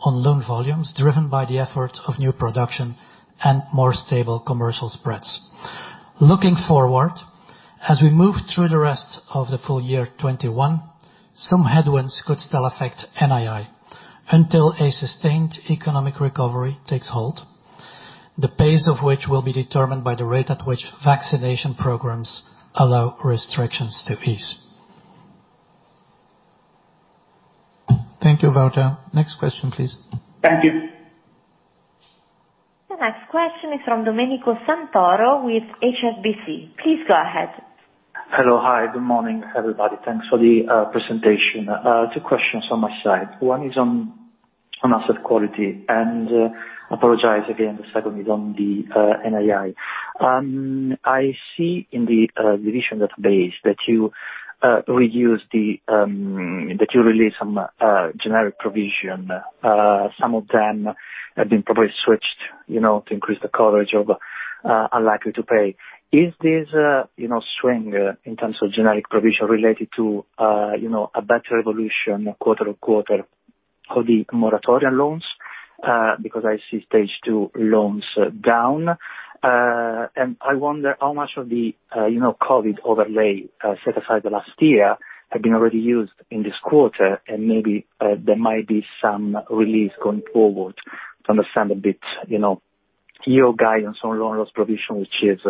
on loan volumes driven by the efforts of new production and more stable commercial spreads. Looking forward, as we move through the rest of the full year 2021, some headwinds could still affect NII until a sustained economic recovery takes hold, the pace of which will be determined by the rate at which vaccination programs allow restrictions to ease. Thank you, Wouter. Next question, please. Thank you. The next question is from Domenico Santoro with HSBC. Please go ahead. Hello. Hi. Good morning, everybody. Thanks for the presentation. Two questions on my side. One is on asset quality, I apologize again, the second is on the NII. I see in the revision database that you released some generic provision. Some of them have been probably switched to increase the coverage of unlikely to pay. Is this swing in terms of generic provision related to a better evolution quarter-on-quarter for the moratoria loans? I see Stage 2 loans down, I wonder how much of the COVID overlay set aside the last year have been already used in this quarter, maybe there might be some release going forward to understand a bit your guidance on Loan Loss Provision, which is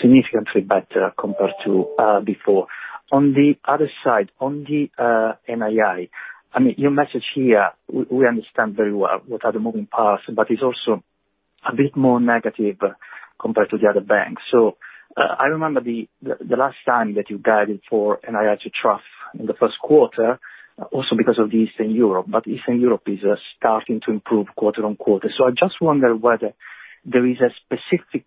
significantly better compared to before. On the other side, on the NII, your message here, we understand very well what are the moving parts, but it's also a bit more negative compared to the other banks. I remember the last time that you guided for NII to trough in the first quarter, also because of Eastern Europe. Eastern Europe is starting to improve quarter-on-quarter. I just wonder whether there is a specific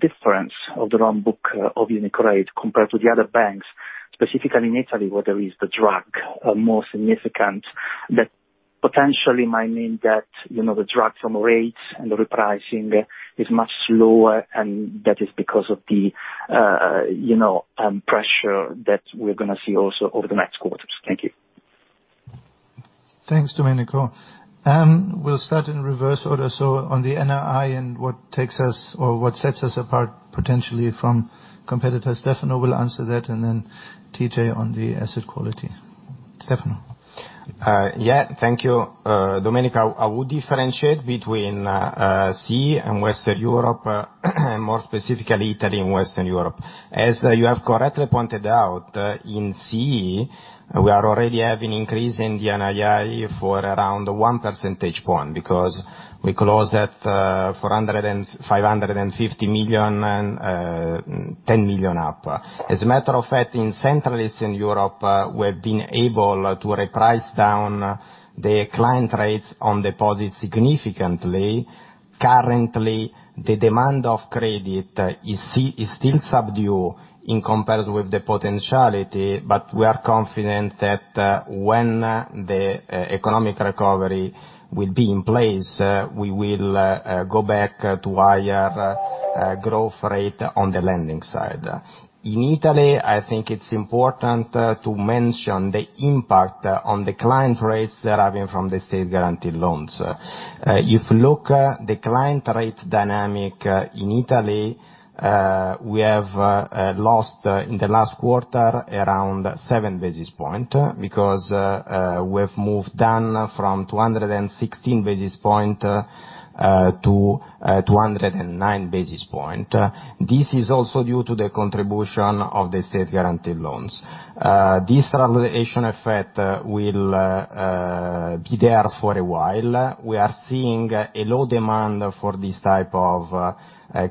difference of the loan book of UniCredit compared to the other banks, specifically in Italy, where there is the drag more significant, that potentially might mean that the drag from rates and the repricing is much slower, and that is because of the pressure that we're going to see also over the next quarters. Thank you. Thanks, Domenico. We'll start in reverse order. On the NII and what takes us or what sets us apart potentially from competitors, Stefano will answer that, and then TJ on the asset quality. Stefano? Thank you, Domenico. I would differentiate between CEE and Western Europe, more specifically Italy and Western Europe. As you have correctly pointed out, in CEE, we are already having increase in the NII for around 1 percentage point, because we closed at 550 million, 10 million up. As a matter of fact, in Central Eastern Europe, we've been able to reprice down the client rates on deposits significantly. Currently, the demand of credit is still subdued in comparison with the potentiality. We are confident that when the economic recovery will be in place, we will go back to higher growth rate on the lending side. In Italy, I think it's important to mention the impact on the client rates deriving from the state-guaranteed loans. If you look at the client rate dynamic in Italy, we have lost, in the last quarter, around 7 basis points, because we have moved down from 216 basis points to 209 basis points. This is also due to the contribution of the state-guaranteed loans. This regulation effect will be there for a while. We are seeing a low demand for this type of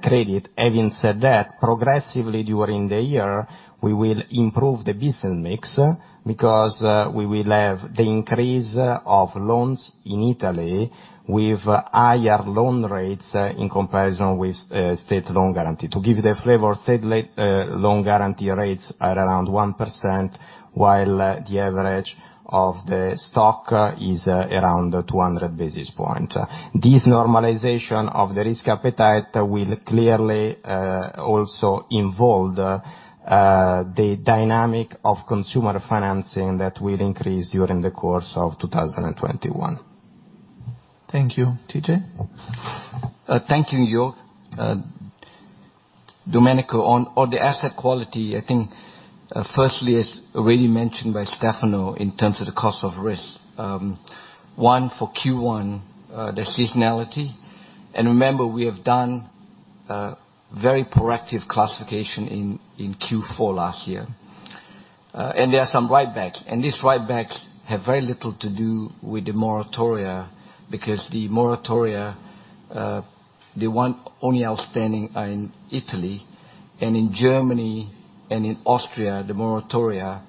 credit. Having said that, progressively during the year, we will improve the business mix, because we will have the increase of loans in Italy with higher loan rates in comparison with state loan guarantee. To give you the flavor, state loan guarantee rates are around 1%, while the average of the stock is around 200 basis points. This normalization of the risk appetite will clearly also involve the dynamic of consumer financing that will increase during the course of 2021. Thank you. TJ? Thank you, Jörg. Domenico, on the asset quality, I think firstly, as already mentioned by Stefano in terms of the cost of risk. For Q1, the seasonality. Remember, we have done very proactive classification in Q4 last year. There are some write-backs. These write-backs have very little to do with the moratoria, because the moratoria, the one only outstanding are in Italy. In Germany and in Austria, the moratoria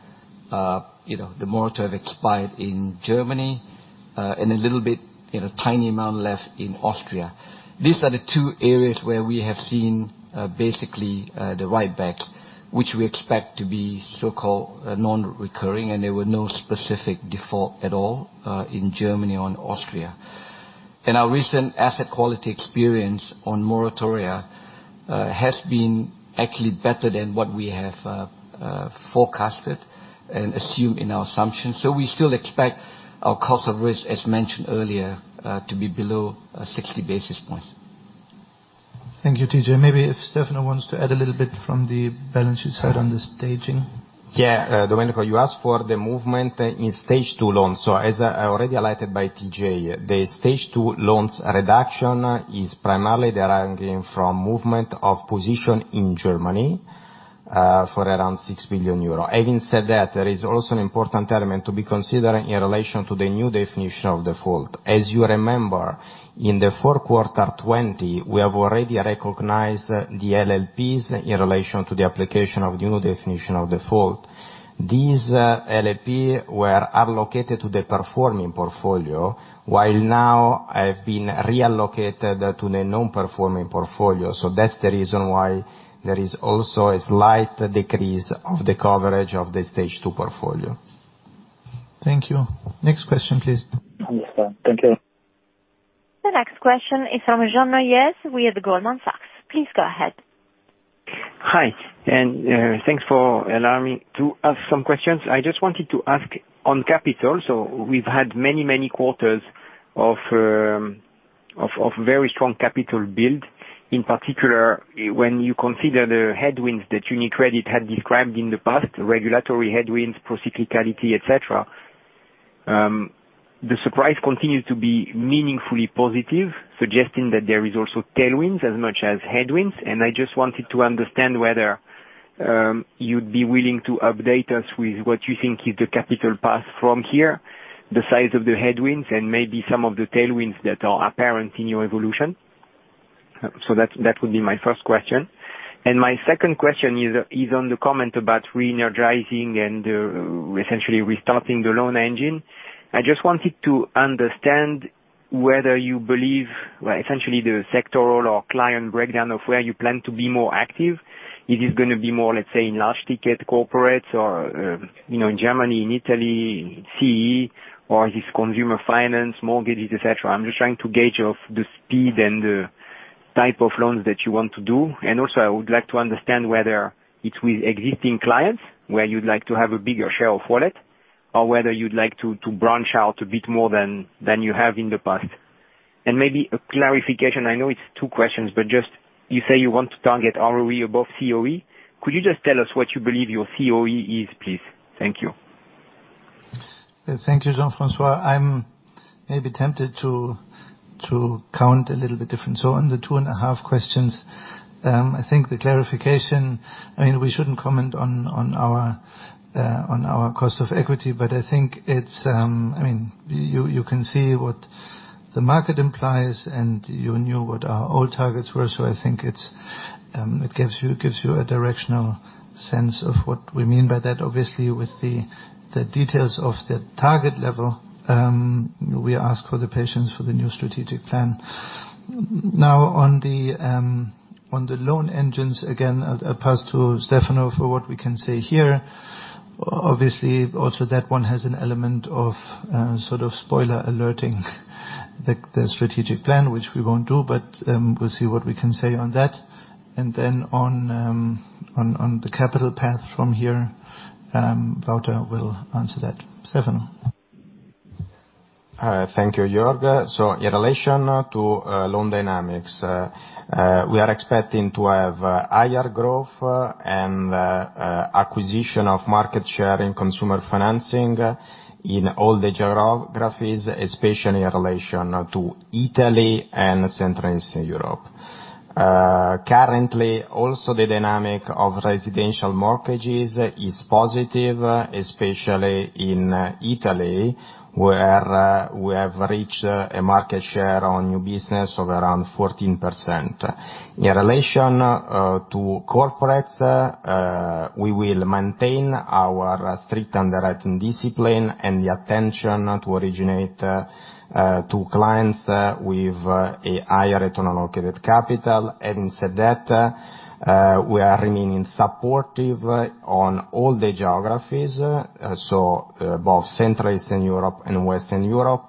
have expired in Germany, and a little bit, a tiny amount left in Austria. These are the two areas where we have seen basically the write-backs, which we expect to be so-called non-recurring, and there were no specific default at all in Germany or in Austria. Our recent asset quality experience on moratoria has been actually better than what we have forecasted and assumed in our assumptions. We still expect our cost of risk, as mentioned earlier, to be below 60 basis points. Thank you, TJ. Maybe if Stefano wants to add a little bit from the balance sheet side on the staging. Yeah. Domenico, you asked for the movement in Stage 2 loans. As already highlighted by TJ, the Stage 2 loans reduction is primarily deriving from movement of position in Germany, for around 6 billion euro. Having said that, there is also an important element to be considered in relation to the new definition of default. As you remember, in the fourth quarter 2020, we have already recognized the LLPs in relation to the application of the new definition of default. These LLPs were allocated to the performing portfolio, while now have been reallocated to the non-performing portfolio. That's the reason why there is also a slight decrease of the coverage of the Stage 2 portfolio. Thank you. Next question, please. Understood. Thank you. The next question is from Jean Neuez with Goldman Sachs. Please go ahead. Hi, thanks for allowing me to ask some questions. I just wanted to ask on capital. We've had many quarters of very strong capital build. In particular, when you consider the headwinds that UniCredit had described in the past, regulatory headwinds, procyclicality, et cetera. The surprise continues to be meaningfully positive, suggesting that there is also tailwinds as much as headwinds. I just wanted to understand whether you'd be willing to update us with what you think is the capital path from here, the size of the headwinds, and maybe some of the tailwinds that are apparent in your evolution. That would be my first question. My second question is on the comment about re-energizing and essentially restarting the loan engine. I just wanted to understand whether you believe, essentially the sectoral or client breakdown of where you plan to be more active. It is going to be more, let's say, in large ticket corporates or in Germany, in Italy, CEE, or is this consumer finance, mortgages, et cetera. I'm just trying to gauge of the speed and the type of loans that you want to do. Also I would like to understand whether it's with existing clients, where you'd like to have a bigger share of wallet, or whether you'd like to branch out a bit more than you have in the past. Maybe a clarification, I know it's two questions, but just you say you want to target ROE above COE. Could you just tell us what you believe your COE is, please? Thank you. Thank you, Jean-Francois. I'm maybe tempted to count a little bit different. On the two and a half questions, I think the clarification, we shouldn't comment on our cost of equity, but I think you can see what the market implies, and you knew what our old targets were. I think it gives you a directional sense of what we mean by that. Obviously, with the details of the target level, we ask for the patience for the new strategic plan. On the loan engines, again, I'll pass to Stefano for what we can say here. Obviously, also that one has an element of sort of spoiler alerting the strategic plan, which we won't do, but we'll see what we can say on that. On the capital path from here, Wouter will answer that. Stefano. Thank you, Jörg. In relation to loan dynamics, we are expecting to have higher growth and acquisition of market share in consumer financing in all the geographies, especially in relation to Italy and Central Eastern Europe. Currently, also the dynamic of residential mortgages is positive, especially in Italy, where we have reached a market share on new business of around 14%. In relation to corporates, we will maintain our strict underwriting discipline and the attention to originate to clients with a higher return on allocated capital. Having said that, we are remaining supportive on all the geographies, so both Central Eastern Europe and Western Europe.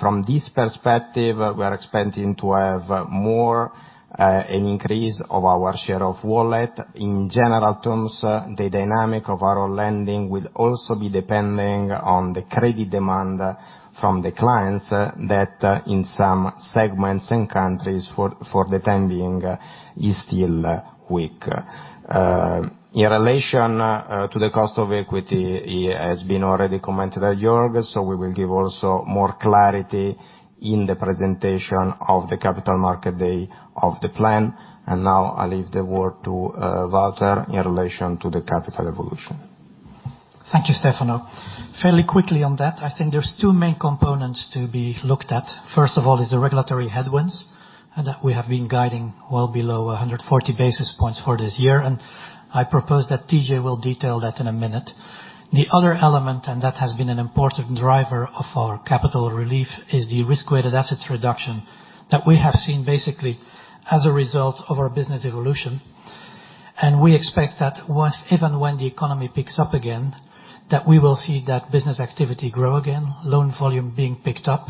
From this perspective, we are expecting to have more an increase of our share of wallet. In general terms, the dynamic of our lending will also be depending on the credit demand from the clients that in some segments and countries for the time being is still weak. In relation to the cost of equity, it has been already commented by Jörg, so we will give also more clarity in the presentation of the Capital Market Day of the plan. Now I leave the word to Wouter in relation to the capital evolution. Thank you, Stefano. Fairly quickly on that, I think there's two main components to be looked at. First of all is the regulatory headwinds. We have been guiding well below 140 basis points for this year. I propose that TJ will detail that in a minute. The other element, and that has been an important driver of our capital relief, is the risk-weighted assets reduction that we have seen basically as a result of our business evolution. We expect that even when the economy picks up again, that we will see that business activity grow again, loan volume being picked up.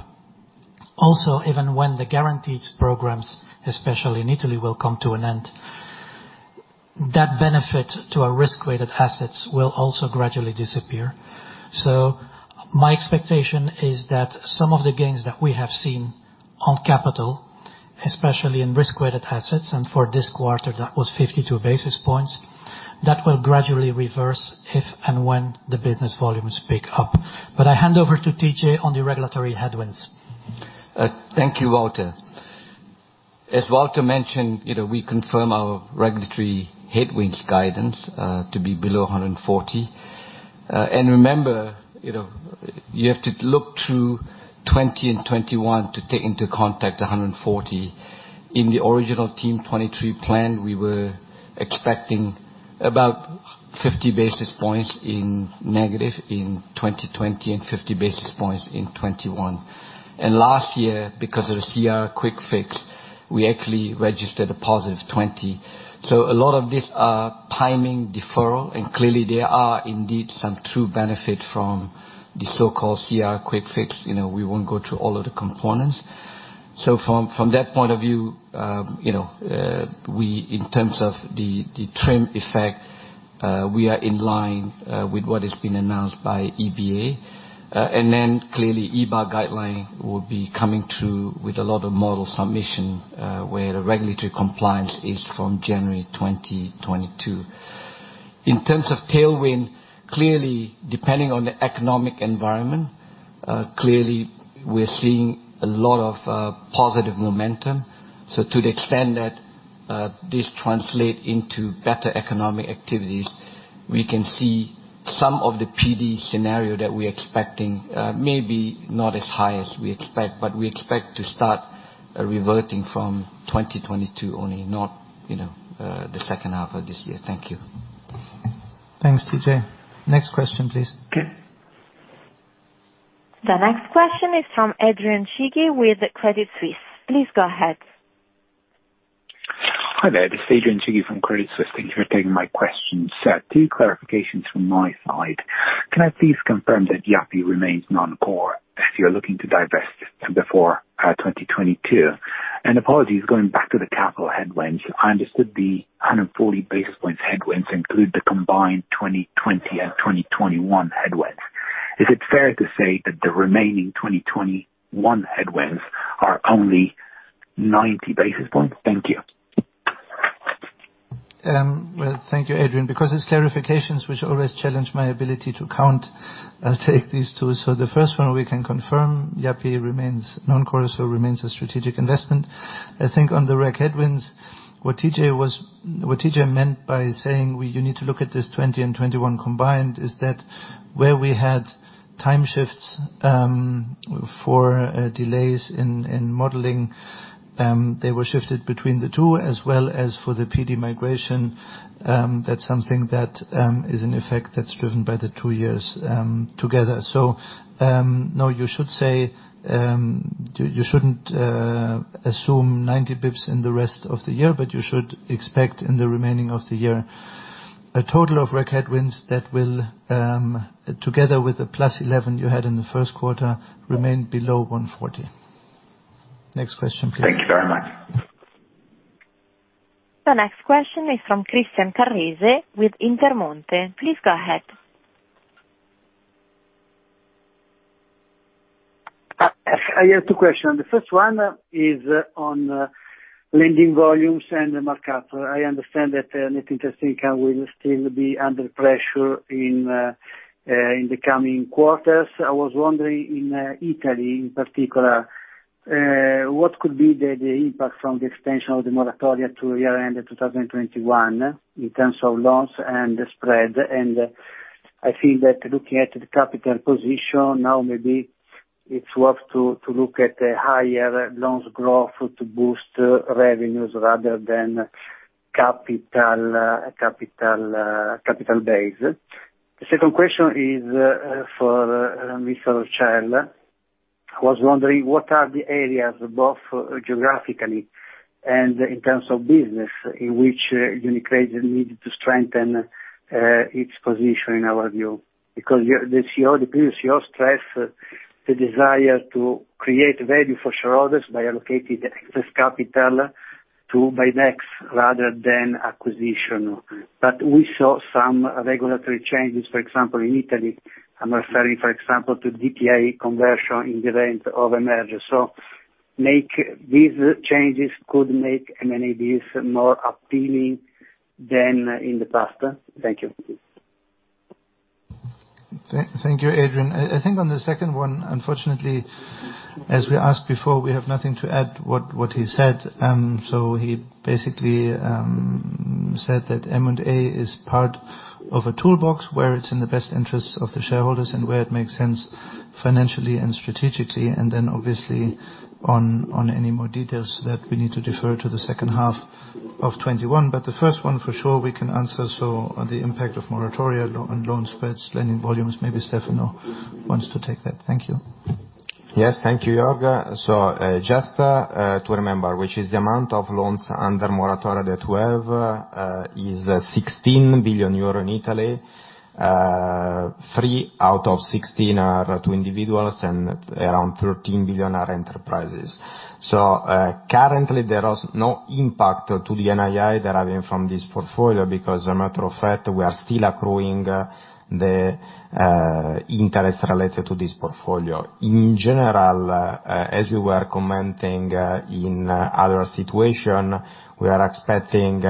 Also, even when the guarantees programs, especially in Italy, will come to an end, that benefit to our risk-weighted assets will also gradually disappear. My expectation is that some of the gains that we have seen on capital, especially in risk-weighted assets, and for this quarter, that was 52 basis points, that will gradually reverse if and when the business volumes pick up. I hand over to TJ on the regulatory headwinds. Thank you, Wouter. As Wouter mentioned, we confirm our regulatory headwinds guidance to be below 140. Remember, you have to look through 2020 and 2021 to take into contact 140. In the original Team 23 plan, we were expecting about 50 basis points in negative in 2020 and 50 basis points in 2021. Last year, because of the CRR quick fix, we actually registered a +20. A lot of these are timing deferral, and clearly there are indeed some true benefit from the so-called CRR quick fix. We won't go through all of the components. From that point of view, in terms of the TRIM effect, we are in line with what has been announced by EBA. Clearly, EBA guideline will be coming through with a lot of model submission, where the regulatory compliance is from January 2022. In terms of tailwind, clearly depending on the economic environment, clearly we're seeing a lot of positive momentum. To the extent that this translate into better economic activities, we can see some of the PD scenario that we're expecting, maybe not as high as we expect, but we expect to start reverting from 2022 only, not the second half of this year. Thank you. Thanks, TJ. Next question, please. Okay. The next question is from Adrian Cighi with Credit Suisse. Please go ahead. Hi there. This is Adrian Cighi from Credit Suisse. Thank you for taking my question. Two clarifications from my side. Can I please confirm that Yapi remains non-core as you're looking to divest before 2022? Apologies, going back to the capital headwinds, I understood the 140 basis points headwinds include the combined 2020 and 2021 headwinds. Is it fair to say that the remaining 2021 headwinds are only 90 basis points? Thank you. Well, thank you, Adrian, because it's clarifications which always challenge my ability to count, I will take these two. The first one, we can confirm Yapi remains non-core, so remains a strategic investment. I think on the reg headwinds, what TJ meant by saying you need to look at this 2020 and 2021 combined is that where we had time shifts for delays in modeling, they were shifted between the two as well as for the PD migration. That is something that is in effect, that is driven by the two years together. No, you shouldn't assume 90 basis points in the rest of the year, but you should expect in the remaining of the year a total of reg headwinds that will, together with the +11 you had in the first quarter, remain below 140. Next question, please. Thank you very much. The next question is from Christian Carrese with Intermonte. Please go ahead. I have two question. The first one is on lending volumes and the mark-up. I understand that net interest income will still be under pressure in the coming quarters. I was wondering in Italy in particular, what could be the impact from the extension of the moratoria to year-end of 2021 in terms of loans and the spread? I think that looking at the capital position now, maybe it's worth to look at higher loans growth to boost revenues rather than capital base. The second question is for Mr. Orcel. I was wondering, what are the areas, both geographically and in terms of business, in which UniCredit needs to strengthen its position in our view? The previous CEO stressed the desire to create value for shareholders by allocating the excess capital to buybacks rather than acquisition. We saw some regulatory changes, for example, in Italy. I'm referring, for example, to DTA conversion in the event of a merger. These changes could make M&As more appealing than in the past. Thank you. Thank you, Adrian. I think on the second one, unfortunately, as we asked before, we have nothing to add what he said. He basically said that M&A is part of a toolbox where it's in the best interest of the shareholders and where it makes sense financially and strategically, obviously on any more details that we need to defer to the second half of 2021. The first one for sure we can answer. On the impact of moratoria on loan spreads, lending volumes, maybe Stefano wants to take that. Thank you. Yes. Thank you, Jörg. Just to remember, which is the amount of loans under moratoria that we have is 16 billion euro in Italy. three out of 16 are to individuals, and around 13 billion are enterprises. Currently, there is no impact to the NII deriving from this portfolio, because a matter of fact, we are still accruing the interest related to this portfolio. In general, as we were commenting in other situation, we are expecting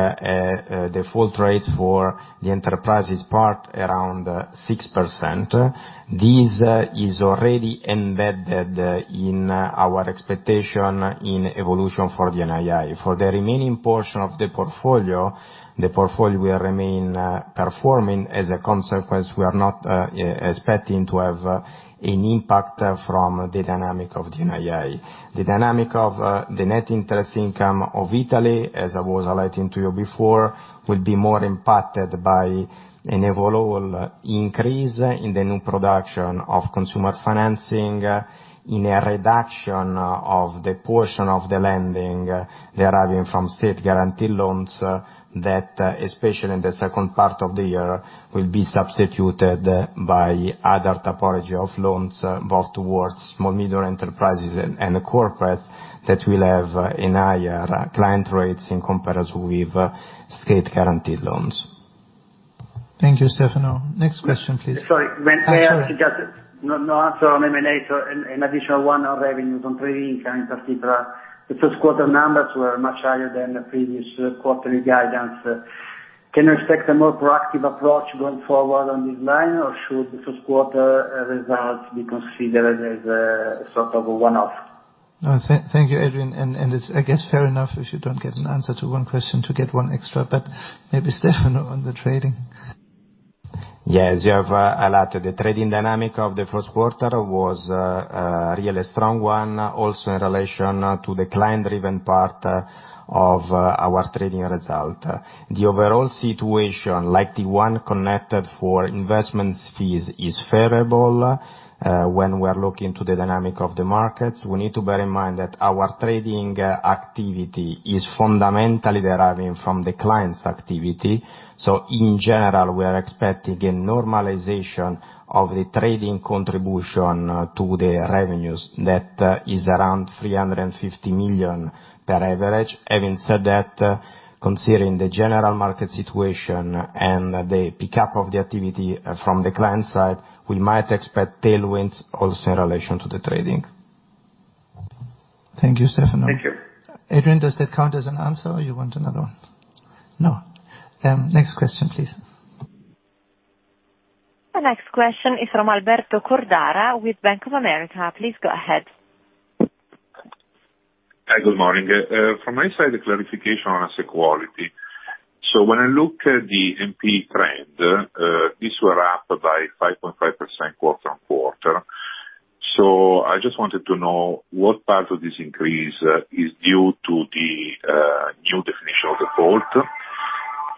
default rates for the enterprises part around 6%. This is already embedded in our expectation in evolution for the NII. For the remaining portion of the portfolio, the portfolio will remain performing. As a consequence, we are not expecting to have an impact from the dynamic of the NII. The dynamic of the net interest income of Italy, as I was highlighting to you before, will be more impacted by an evolvable increase in the new production of consumer financing, in a reduction of the portion of the lending deriving from state guaranteed loans, that especially in the second part of the year, will be substituted by other typology of loans, both towards small-medium enterprises and corporates that will have a higher client rates in comparison with state guaranteed loans. Thank you, Stefano. Next question, please. Sorry. No answer on M&A, so an additional one on revenues on trading income, et cetera. The first quarter numbers were much higher than the previous quarterly guidance. Can you expect a more proactive approach going forward on this line? Or should the first quarter results be considered as a sort of a one-off? No. Thank you, Adrian. It's, I guess, fair enough if you don't get an answer to one question to get one extra, but maybe Stefano on the trading. Yes. You have highlighted the trading dynamic of the first quarter was a really strong one, also in relation to the client-driven part of our trading result. The overall situation, like the one connected for investments fees, is favorable. When we're looking to the dynamic of the markets, we need to bear in mind that our trading activity is fundamentally deriving from the client's activity. In general, we are expecting a normalization of the trading contribution to the revenues that is around 350 million per average. Having said that, considering the general market situation and the pickup of the activity from the client side, we might expect tailwinds also in relation to the trading. Thank you, Stefano. Thank you. Adrian, does that count as an answer or you want another one? No. Next question, please. The next question is from Alberto Cordara with Bank of America. Please go ahead. Hi, good morning. From my side, a clarification on asset quality. When I look at the NPE trend, these were up by 5.5% quarter-on-quarter. I just wanted to know what part of this increase is due to the new definition of default,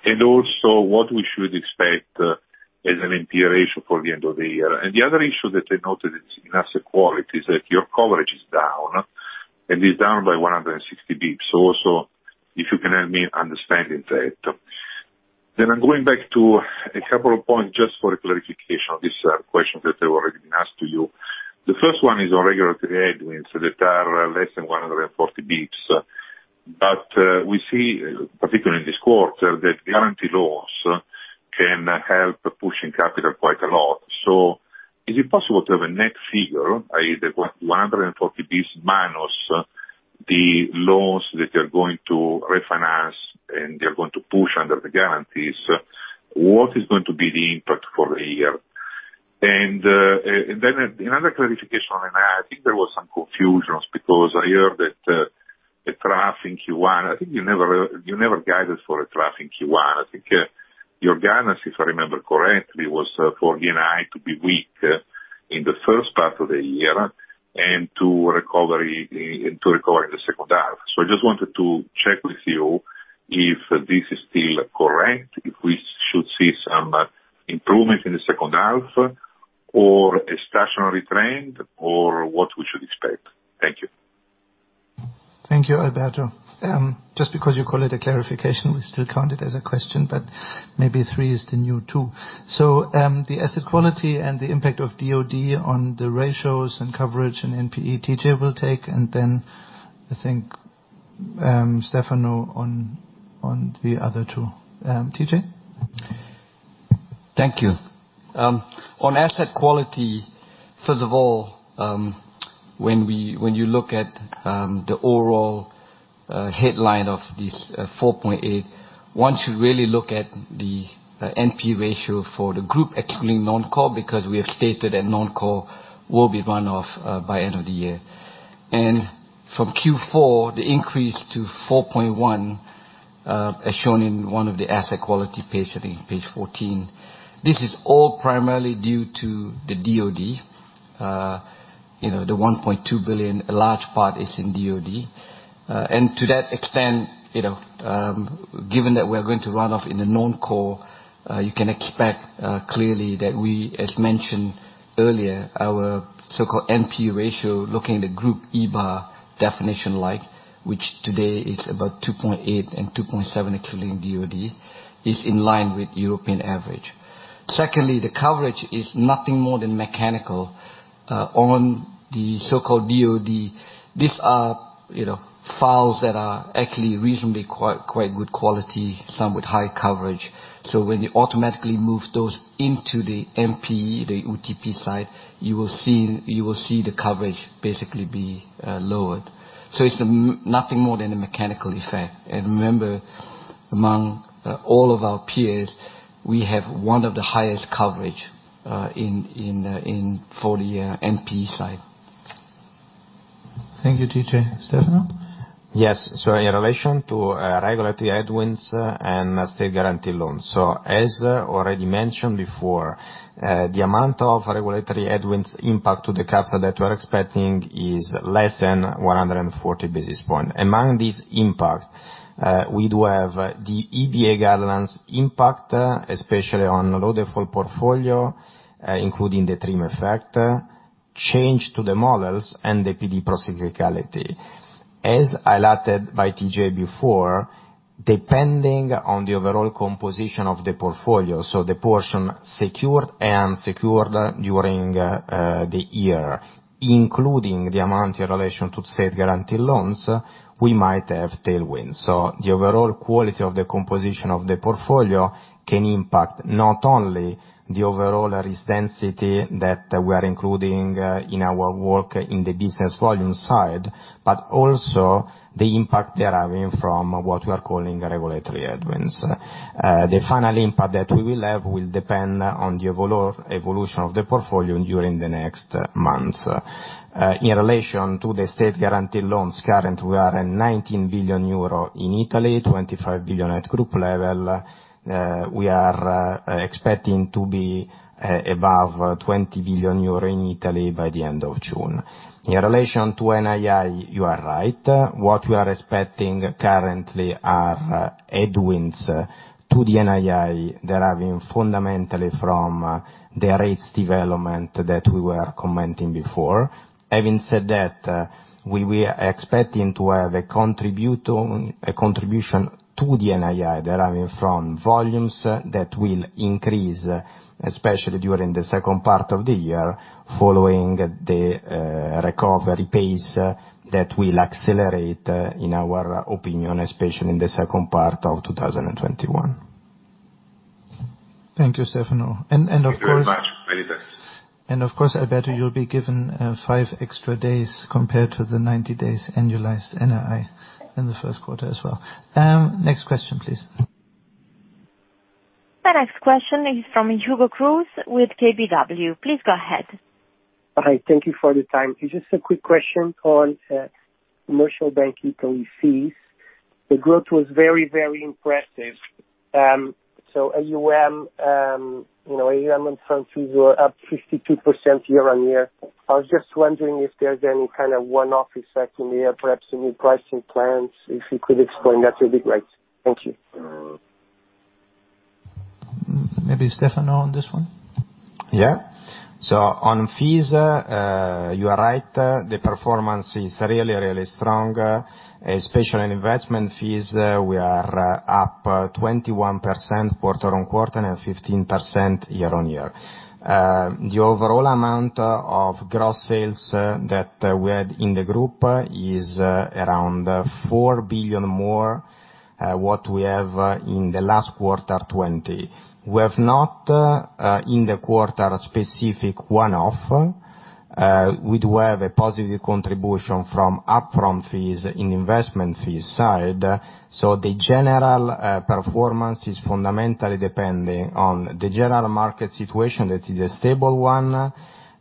and also what we should expect as an NPE ratio for the end of the year. The other issue that I noted in asset quality is that your coverage is down, and is down by 160 basis points. Also, if you can help me understanding that. I'm going back to a couple of points just for a clarification of this question that have already been asked to you. The first one is on regulatory headwinds that are less than 140 basis points. We see, particularly this quarter, that guarantee laws can help pushing capital quite a lot. Is it possible to have a net figure, either 140 basis points minus the loans that you're going to refinance and you're going to push under the guarantees? What is going to be the impact for the year? Another clarification on, I think there was some confusion because I heard that the trough in Q1, I think you never guided for a trough in Q1. I think your guidance, if I remember correctly, was for NII to be weak in the first part of the year and to recover in the second half. I just wanted to check with you if this is still correct, if we should see some improvement in the second half or a stationary trend, or what we should expect. Thank you. Thank you, Alberto. Just because you call it a clarification, we still count it as a question, but maybe three is the new two. The asset quality and the impact of DoD on the ratios and coverage and NPE, TJ will take, and then I think Stefano on the other two. TJ? Thank you. On asset quality, first of all, when you look at the overall headline of this 4.8%, one should really look at the NPE ratio for the group, excluding non-core, because we have stated that non-core will be run off by end of the year. From Q4, the increase to 4.1%, as shown in one of the asset quality page, I think it's page 14, this is all primarily due to the DoD. The 1.2 billion, a large part is in DoD. To that extent, given that we are going to run off in the non-core, you can expect clearly that we, as mentioned earlier, our so-called NPE ratio, looking at the group EBA definition like, which today is about 2.8% and 2.7%, excluding DoD, is in line with European average. Secondly, the coverage is nothing more than mechanical on the so-called DoD. These are files that are actually reasonably quite good quality, some with high coverage. When you automatically move those into the NPE, the UTP side, you will see the coverage basically be lowered. It's nothing more than a mechanical effect. Remember, among all of our peers, we have one of the highest coverage for the NPE side. Thank you, TJ. Stefano? Yes. In relation to regulatory headwinds and state guarantee loans. As already mentioned before, the amount of regulatory headwinds impact to the capital that we are expecting is less than 140 basis points. Among this impact, we do have the EBA guidelines impact, especially on low-default portfolio, including the TRIM effect, change to the models, and the PD proportionality. As highlighted by TJ before, depending on the overall composition of the portfolio, so the portion secured and unsecured during the year, including the amount in relation to state guarantee loans, we might have tailwind. The overall quality of the composition of the portfolio can impact not only the overall risk density that we are including in our work in the business volume side, but also the impact deriving from what we are calling regulatory headwinds. The final impact that we will have will depend on the evolution of the portfolio during the next months. In relation to the state guarantee loans, currently we are at 19 billion euro in Italy, 25 billion at group level. We are expecting to be above 20 billion euro in Italy by the end of June. In relation to NII, you are right. What we are expecting currently are headwinds to the NII deriving fundamentally from the rates development that we were commenting before. Having said that, we were expecting to have a contribution to the NII deriving from volumes that will increase, especially during the second part of the year, following the recovery pace that will accelerate, in our opinion, especially in the second part of 2021. Thank you, Stefano. Thank you very much. Many thanks. Of course, Alberto, you'll be given five extra days compared to the 90 days annualized NII in the first quarter as well. Next question, please. The next question is from Hugo Cruz with KBW. Please go ahead. Hi. Thank you for the time. A quick question on Commercial Banking Italy fees. The growth was very, very impressive. AUM and fees were up 52% year-on-year. I was just wondering if there's any kind of one-off effect in here, perhaps any pricing plans, if you could explain that would be great. Thank you. Maybe Stefano on this one. On fees, you are right. The performance is really strong, especially in investment fees, we are up 21% quarter-on-quarter and 15% year-on-year. The overall amount of gross sales that we had in the group is around 4 billion more what we have in the last quarter 2020. We have not, in the quarter, specific one-off. We do have a positive contribution from upfront fees in investment fees side. The general performance is fundamentally depending on the general market situation that is a stable one,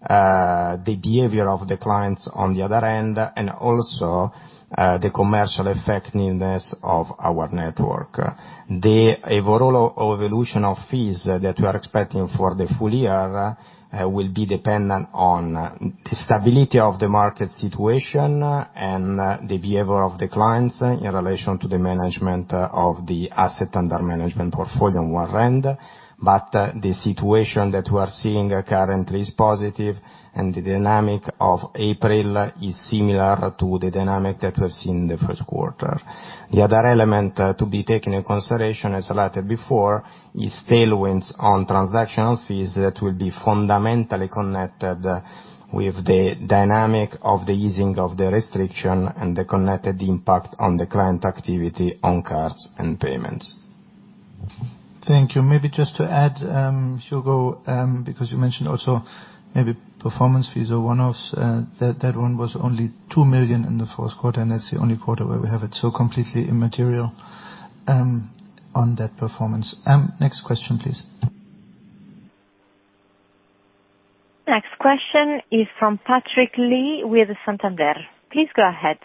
the behavior of the clients on the other end, and also the commercial effectiveness of our network. The overall evolution of fees that we are expecting for the full year will be dependent on the stability of the market situation and the behavior of the clients in relation to the management of the asset under management portfolio on one end, but the situation that we are seeing currently is positive, and the dynamic of April is similar to the dynamic that we have seen in the first quarter. The other element to be taken in consideration, as I noted before, is tailwinds on transactions fees that will be fundamentally connected with the dynamic of the easing of the restriction and the connected impact on the client activity on cards and payments. Thank you. Maybe just to add, Hugo, because you mentioned also maybe performance fees or one-offs, that one was only 2 million in the fourth quarter, and that's the only quarter where we have it, so completely immaterial on that performance. Next question please. Next question is from Patrick Lee with Santander. Please go ahead.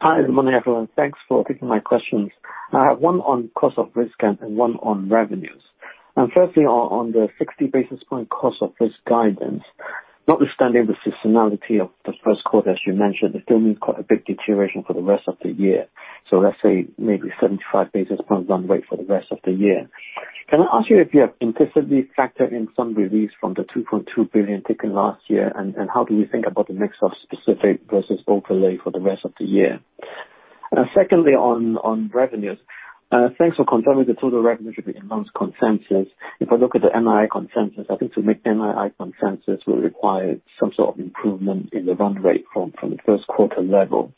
Hi, good morning, everyone. Thanks for taking my questions. I have one on cost of risk and one on revenues. Firstly, on the 60 basis point cost of risk guidance, notwithstanding the seasonality of the first quarter, as you mentioned, this tell me quite a big deterioration for the rest of the year. Let's say maybe 75 basis points run rate for the rest of the year. Can I ask you if you have implicitly factored in some release from the 2.2 billion taken last year, and how do you think about the mix of specific versus overlay for the rest of the year? Secondly, on revenues. Thanks for confirming the total revenue should be in most consensus. If I look at the NII consensus, I think to make NII consensus will require some sort of improvement in the run rate from the first quarter level.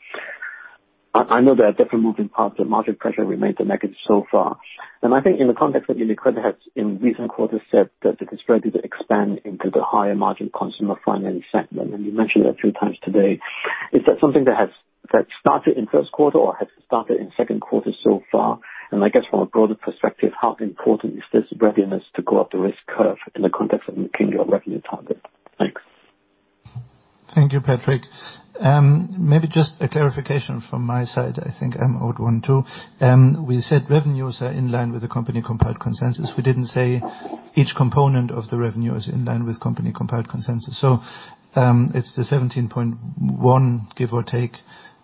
I know there are different moving parts, the margin pressure remains negative so far. I think in the context that UniCredit has in recent quarters said that it is ready to expand into the higher margin consumer finance segment, and you mentioned that a few times today. Is that something that started in first quarter or has it started in second quarter so far? I guess from a broader perspective, how important is this readiness to go up the risk curve in the context of making your revenue target? Thanks. Thank you, Patrick. Just a clarification from my side. I think I'm owed one too. We said revenues are in line with the company-compiled consensus. We didn't say each component of the revenue is in line with company-compiled consensus. It's the 17.1 billion, give or take,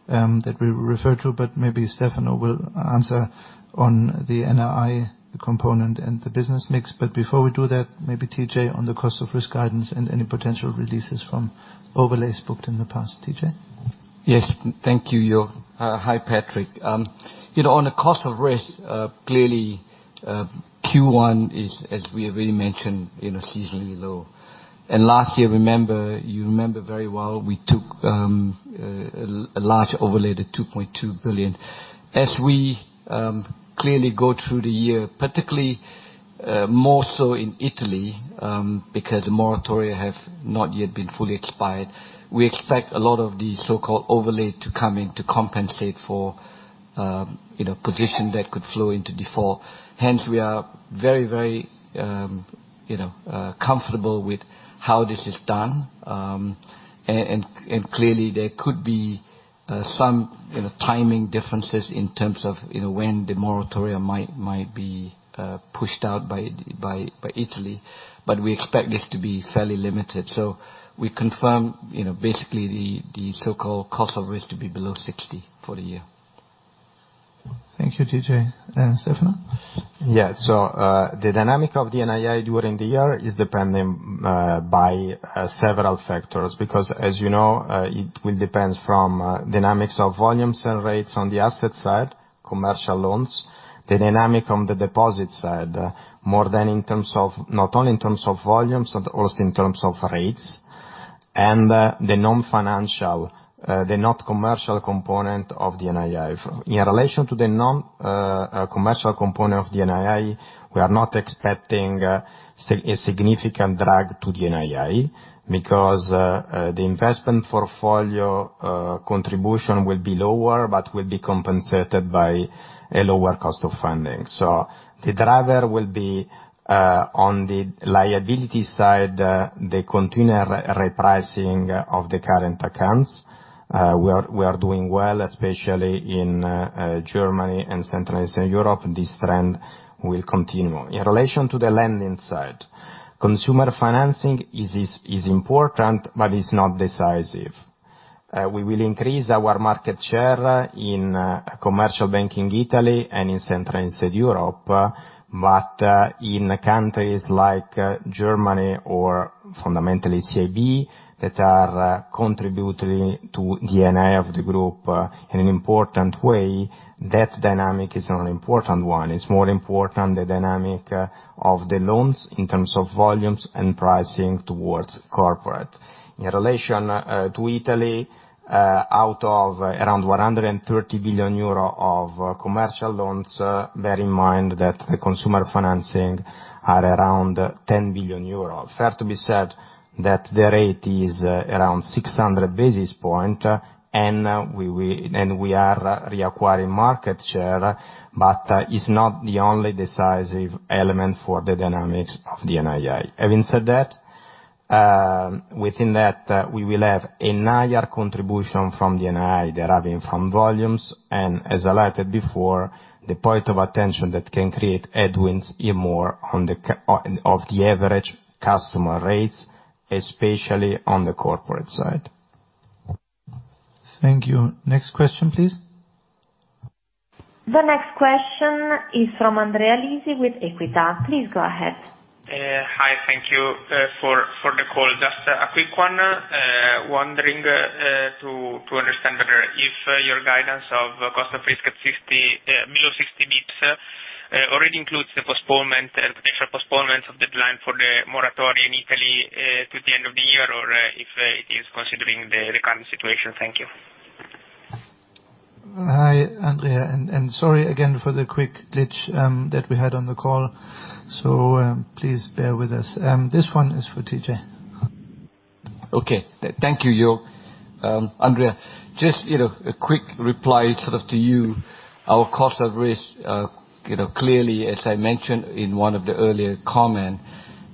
that we refer to. Maybe Stefano will answer on the NII component and the business mix. Before we do that, TJ, on the cost of risk guidance and any potential releases from overlays booked in the past. TJ? Yes. Thank you, Jörg. Hi, Patrick. On the cost of risk, clearly, Q1 is, as we already mentioned, seasonally low. Last year, you remember very well, we took a large overlay, the 2.2 billion. As we clearly go through the year, particularly more so in Italy, because moratoria have not yet been fully expired, we expect a lot of the so-called overlay to come in to compensate for position that could flow into default. Hence, we are very comfortable with how this is done. Clearly, there could be some timing differences in terms of when the moratoria might be pushed out by Italy, but we expect this to be fairly limited. We confirm basically the so-called cost of risk to be below 60 for the year. Thank you, TJ. Stefano? The dynamic of the NII during the year is dependent by several factors, because as you know, it will depend from dynamics of volumes and rates on the asset side, commercial loans, the dynamic on the deposit side, not only in terms of volumes, but also in terms of rates, the non-commercial component of the NII. In relation to the non-commercial component of the NII, we are not expecting a significant drag to the NII, because the investment portfolio contribution will be lower, but will be compensated by a lower cost of funding. The driver will be on the liability side, the continual repricing of the current accounts. We are doing well, especially in Germany and Central and Eastern Europe. This trend will continue. In relation to the lending side, consumer financing is important, but it's not decisive. We will increase our market share in Commercial Banking Italy and in Central and Eastern Europe. In countries like Germany or fundamentally CIB, that are contributing to NII of the group in an important way, that dynamic is an unimportant one. It's more important the dynamic of the loans in terms of volumes and pricing towards corporate. In relation to Italy, out of around 130 billion euro of commercial loans, bear in mind that the consumer financing are around 10 billion euro. Fair to be said that the rate is around 600 basis points, and we are reacquiring market share, but it's not the only decisive element for the dynamics of the NII. Having said that, within that, we will have a higher contribution from the NII deriving from volumes, and as highlighted before, the point of attention that can create headwinds even more of the average customer rates, especially on the corporate side. Thank you. Next question, please. The next question is from Andrea Lisi with Equita. Please go ahead. Hi. Thank you for the call. Just a quick one. Wondering to understand better if your guidance of cost of risk at below 60 basis points already includes the potential postponement of deadline for the moratoria in Italy to the end of the year, or if it is considering the current situation. Thank you. Hi, Andrea. Sorry again for the quick glitch that we had on the call. Please bear with us. This one is for TJ. Okay. Thank you, Jörg. Andrea, just a quick reply to you. Our cost of risk, clearly, as I mentioned in one of the earlier comment,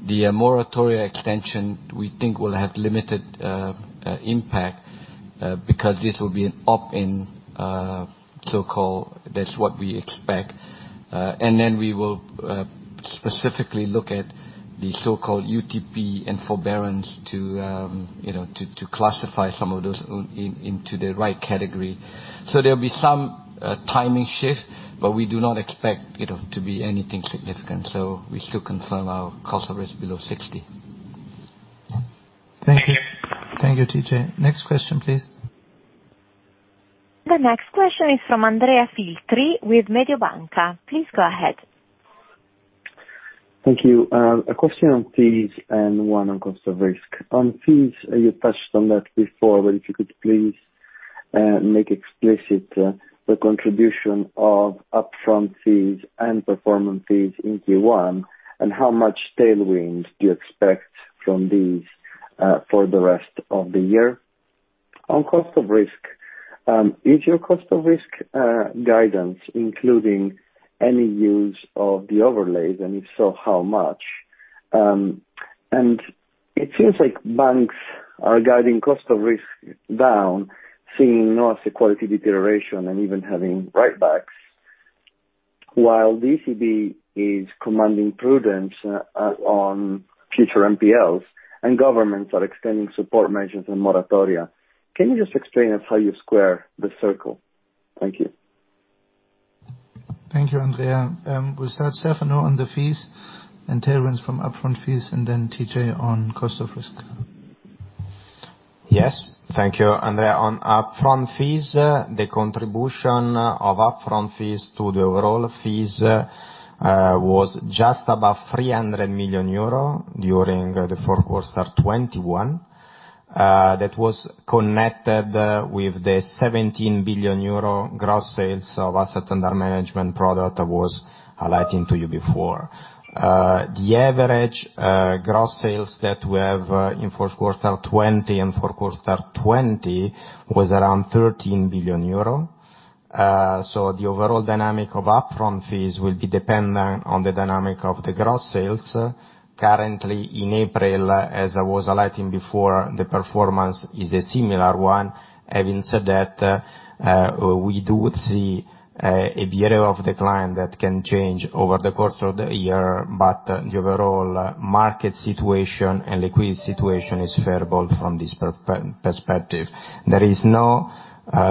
the moratoria extension, we think will have limited impact, because this will be an opt-in so-called, that's what we expect. And then we will specifically look at the so-called UTP and forbearance to classify some of those into the right category. There'll be some timing shift, but we do not expect it to be anything significant. We still confirm our cost of risk below 60. Thank you. Thank you, TJ. Next question, please. The next question is from Andrea Filtri with Mediobanca. Please go ahead. Thank you. A question on fees and one on cost of risk. On fees, you touched on that before, but if you could please make explicit the contribution of upfront fees and performance fees in Q1, and how much tailwinds do you expect from these for the rest of the year? On cost of risk, is your cost of risk guidance including any use of the overlays, and if so, how much? It seems like banks are guiding cost of risk down, seeing not a quality deterioration and even having write-backs, while ECB is commanding prudence on future NPLs and governments are extending support measures and moratoria. Can you just explain us how you square the circle? Thank you. Thank you, Andrea. We'll start Stefano on the fees and tailwinds from upfront fees, and then TJ on cost of risk. Yes. Thank you, Andrea. On upfront fees, the contribution of upfront fees to the overall fees was just above 300 million euro during the first quarter 2021. That was connected with the 17 billion euro gross sales of assets under management product I was highlighting to you before. The average gross sales that we have in fourth quarter 2020 and first quarter 2020 was around 13 billion euro. The overall dynamic of upfront fees will be dependent on the dynamic of the gross sales. Currently, in April, as I was highlighting before, the performance is a similar one. Having said that, we do see a bit of decline that can change over the course of the year, but the overall market situation and liquidity situation is favorable from this perspective. There is no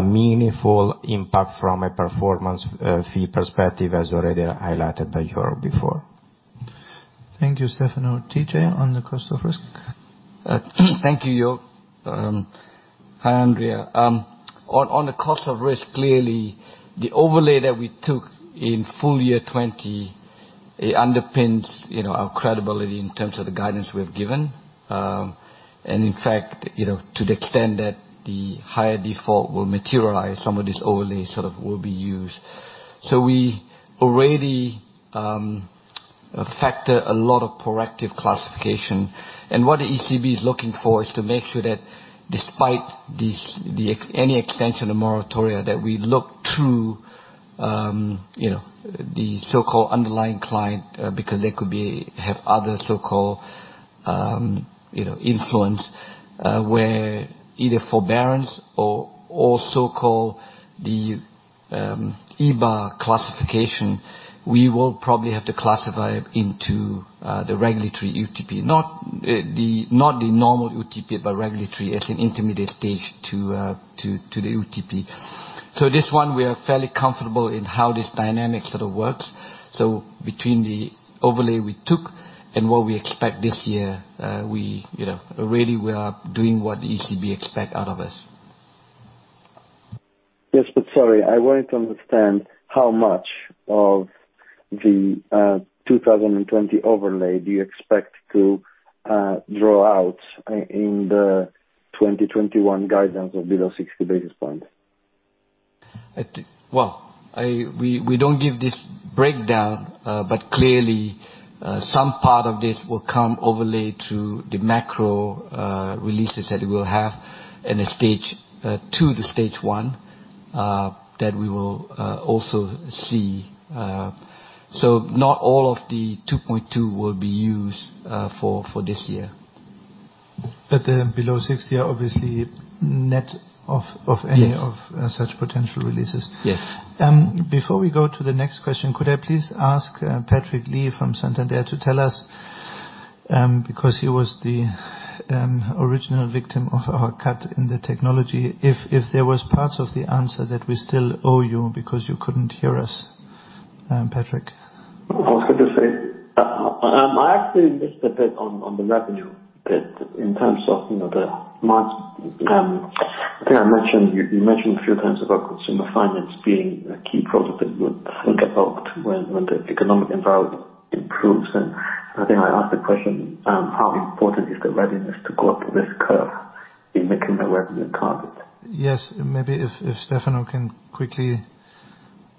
meaningful impact from a performance fee perspective as already highlighted by Jörg before. Thank you, Stefano. TJ, on the cost of risk? Thank you, Jörg. Hi, Andrea. On the cost of risk, clearly, the overlay that we took in full year 2020, it underpins our credibility in terms of the guidance we have given. In fact, to the extent that the higher default will materialize, some of this overlay sort of will be used. We already factor a lot of proactive classification. What the ECB is looking for is to make sure that despite any extension of moratoria, that we look through the so-called underlying client, because they could have other so-called influence, where either forbearance or so-called the EBA classification, we will probably have to classify into the regulatory UTP. Not the normal UTP, but regulatory as an intermediate stage to the UTP. This one, we are fairly comfortable in how this dynamic sort of works. Between the overlay we took and what we expect this year, really we are doing what ECB expect out of us. Yes, but sorry. I wanted to understand how much of the 2020 overlay do you expect to draw out in the 2021 guidance of below 60 basis points? Well, we don't give this breakdown. Clearly, some part of this will come overlay to the macro releases that we'll have in the Stage 2 to Stage 1, that we will also see. Not all of the 2.2 billion will be used for this year. The below 60 are obviously net of any. Yes Of such potential releases. Yes. Before we go to the next question, could I please ask Patrick Lee from Santander to tell us, because he was the original victim of our cut in the technology, if there was parts of the answer that we still owe you because you couldn't hear us, Patrick? I was going to say, I actually missed a bit on the revenue bit in terms of the margin. I think you mentioned a few times about consumer finance being a key product that you would think about when the economic environment improves. I think I asked the question, how important is the readiness to go up this curve in making the revenue target? Yes. Maybe if Stefano can quickly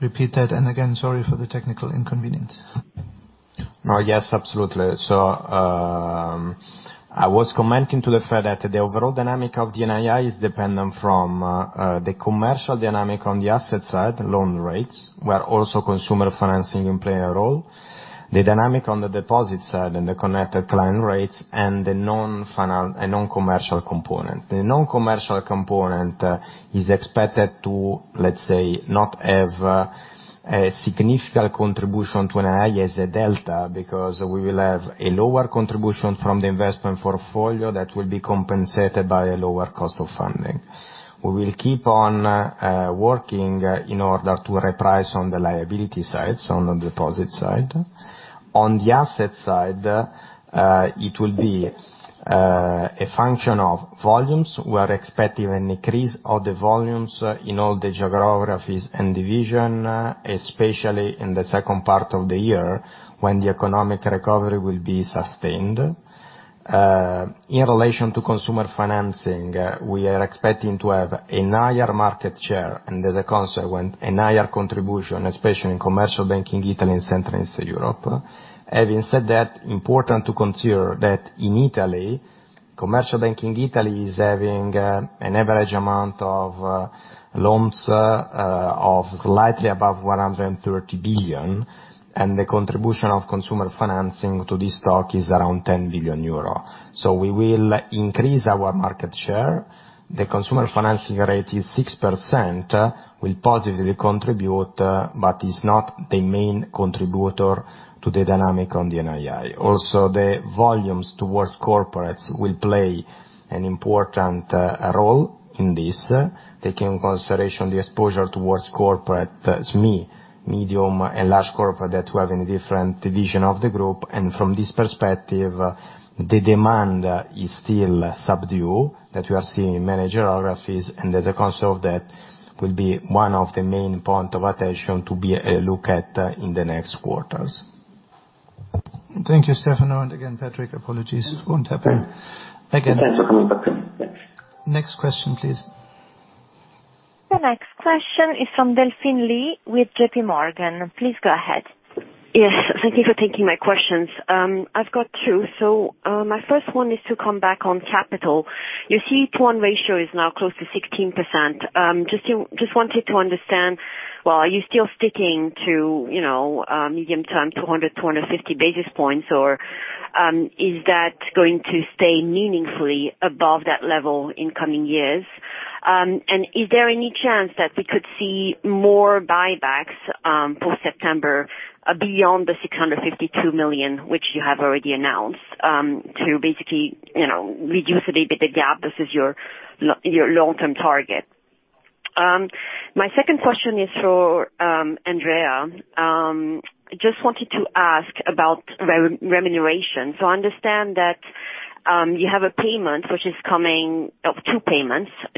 repeat that. Again, sorry for the technical inconvenience. Yes, absolutely. I was commenting to the fact that the overall dynamic of the NII is dependent from the commercial dynamic on the asset side, loan rates, where also consumer financing play a role, the dynamic on the deposit side and the connected client rates and the non-commercial component. The non-commercial component is expected to, let's say, not have a significant contribution to NII as a delta, because we will have a lower contribution from the investment portfolio that will be compensated by a lower cost of funding. We will keep on working in order to reprice on the liability sides, on the deposit side. On the asset side, it will be a function of volumes. We are expecting an increase of the volumes in all the geographies and division, especially in the second part of the year when the economic recovery will be sustained. In relation to consumer financing, we are expecting to have a higher market share, and as a consequence, a higher contribution, especially in Commercial Banking Italy and Central and Eastern Europe. Having said that, important to consider that in Italy, Commercial Banking Italy is having an average amount of loans of slightly above 130 billion, and the contribution of consumer financing to this stock is around 10 billion euro. We will increase our market share. The consumer financing rate is 6%, will positively contribute, but is not the main contributor to the dynamic on the NII. Also, the volumes towards corporates will play an important role in this, taking consideration the exposure towards corporate SME, medium and large corporate that were in different division of the group. From this perspective, the demand is still subdued, that we are seeing many geographies, and as a consequence of that, will be one of the main point of attention to be looked at in the next quarters. Thank you, Stefano. Again, Patrick, apologies. It won't happen again. Thanks for coming back to me. Thanks. Next question, please. The next question is from Delphine Lee with JPMorgan. Please go ahead. Thank you for taking my questions. I've got two. My first one is to come back on capital. Your CET1 ratio is now close to 16%. Just wanted to understand, are you still sticking to medium term 200, 250 basis points, or is that going to stay meaningfully above that level in coming years? Is there any chance that we could see more buybacks, post-September, beyond the 652 million, which you have already announced, to basically reduce a little bit the gap versus your long-term target? My second question is for Andrea. Just wanted to ask about remuneration. I understand that you have two payments. I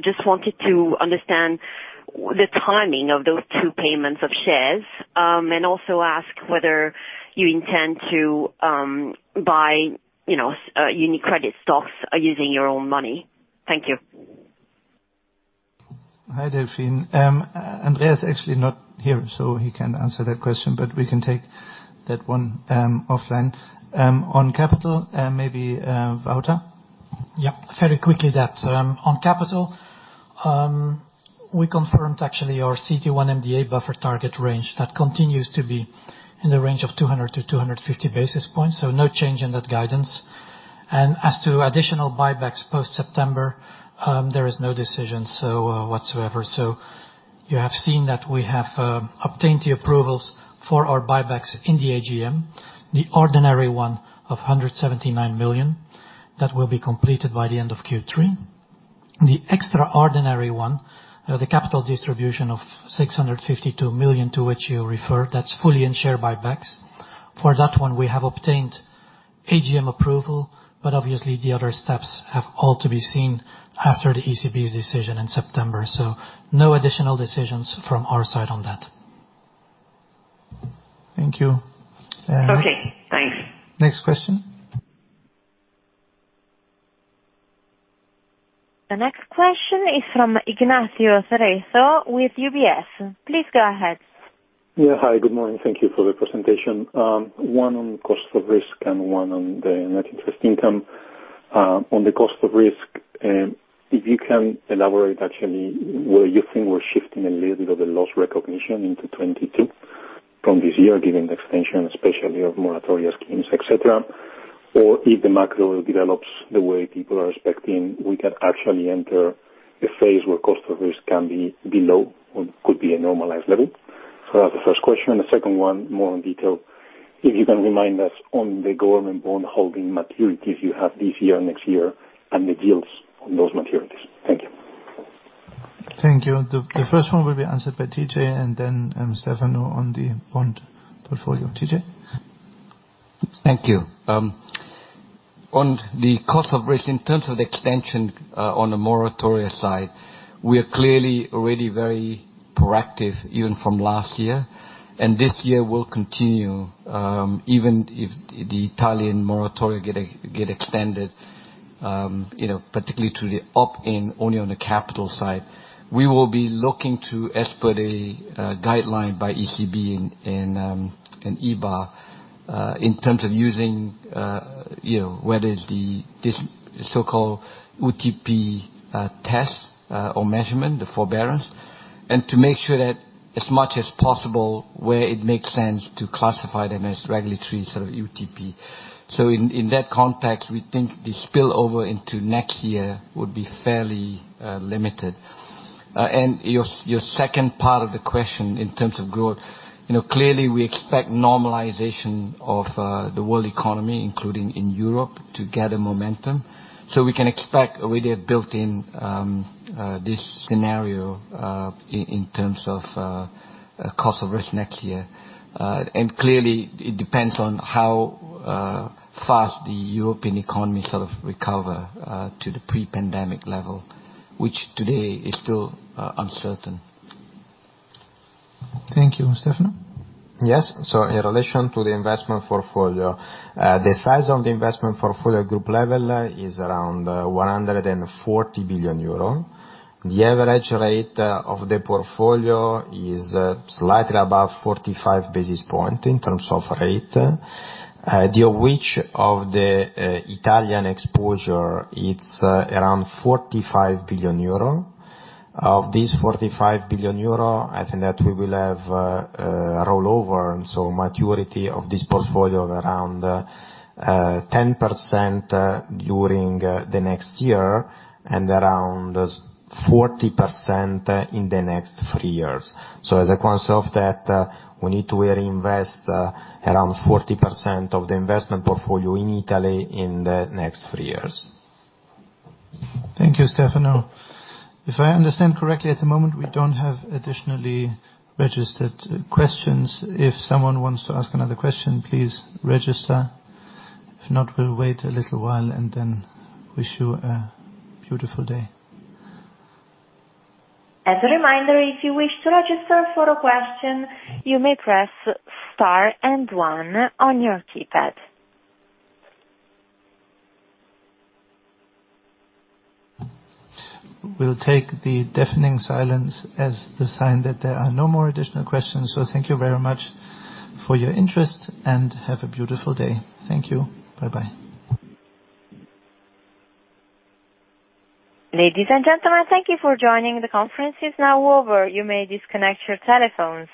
just wanted to understand the timing of those two payments of shares, and also ask whether you intend to buy UniCredit stocks using your own money. Thank you. Hi, Delphine. Andrea's actually not here, so he can't answer that question, but we can take that one offline. On capital, maybe Wouter? Yeah. Very quickly that on capital, we confirmed actually our CET1 MDA buffer target range that continues to be in the range of 200-250 basis points. No change in that guidance. As to additional buybacks post-September, there is no decision whatsoever. You have seen that we have obtained the approvals for our buybacks in the AGM, the ordinary one of 179 million that will be completed by the end of Q3. The extraordinary one, the capital distribution of 652 million to which you refer, that's fully in share buybacks. For that one, we have obtained AGM approval, but obviously the other steps have all to be seen after the ECB's decision in September. No additional decisions from our side on that. Thank you. Okay, thanks. Next question. The next question is from Ignacio Cerezo with UBS. Please go ahead. Yeah. Hi, good morning. Thank you for the presentation. One on cost of risk and one on the net interest income. On the cost of risk, if you can elaborate actually whether you think we're shifting a little bit of the loss recognition into 2022 from this year, given the extension, especially of moratoria schemes, et cetera, or if the macro develops the way people are expecting, we can actually enter a phase where cost of risk can be below or could be a normalized level. That's the first question. The second one, more on detail, if you can remind us on the government bond holding maturities you have this year, next year, and the deals on those maturities. Thank you. Thank you. The first one will be answered by TJ and then Stefano on the bond portfolio. TJ? Thank you. On the cost of risk in terms of the extension on the moratoria side, we are clearly already very proactive even from last year, and this year will continue even if the Italian moratoria get extended, particularly to the opt-in only on the capital side. We will be looking to expect a guideline by ECB and EBA, in terms of using whether this so-called UTP test or measurement, the forbearance, and to make sure that as much as possible where it makes sense to classify them as regulatory UTP. In that context, we think the spillover into next year would be fairly limited. Your second part of the question in terms of growth, clearly we expect normalization of the world economy, including in Europe, to gather momentum. We can expect we did build in this scenario, in terms of cost of risk next year. Clearly it depends on how fast the European economy recover to the pre-pandemic level, which today is still uncertain. Thank you. Stefano? Yes. In relation to the investment portfolio, the size of the investment portfolio group level is around 140 billion euro. The average rate of the portfolio is slightly above 45 basis points in terms of rate. The weight of the Italian exposure, it's around 45 billion euro. Of this 45 billion euro, I think that we will have a rollover and so maturity of this portfolio of around 10% during the next year and around 40% in the next three years. As a consequence of that, we need to reinvest around 40% of the investment portfolio in Italy in the next three years. Thank you, Stefano. If I understand correctly, at the moment, we don't have additionally registered questions. If someone wants to ask another question, please register. If not, we'll wait a little while and then wish you a beautiful day. As a reminder, if you wish to register for a question, you may press star and one on your keypad. We'll take the deafening silence as the sign that there are no more additional questions. Thank you very much for your interest and have a beautiful day. Thank you. Bye-bye. Ladies and gentlemen, thank you for joining. The conference is now over. You may disconnect your telephones.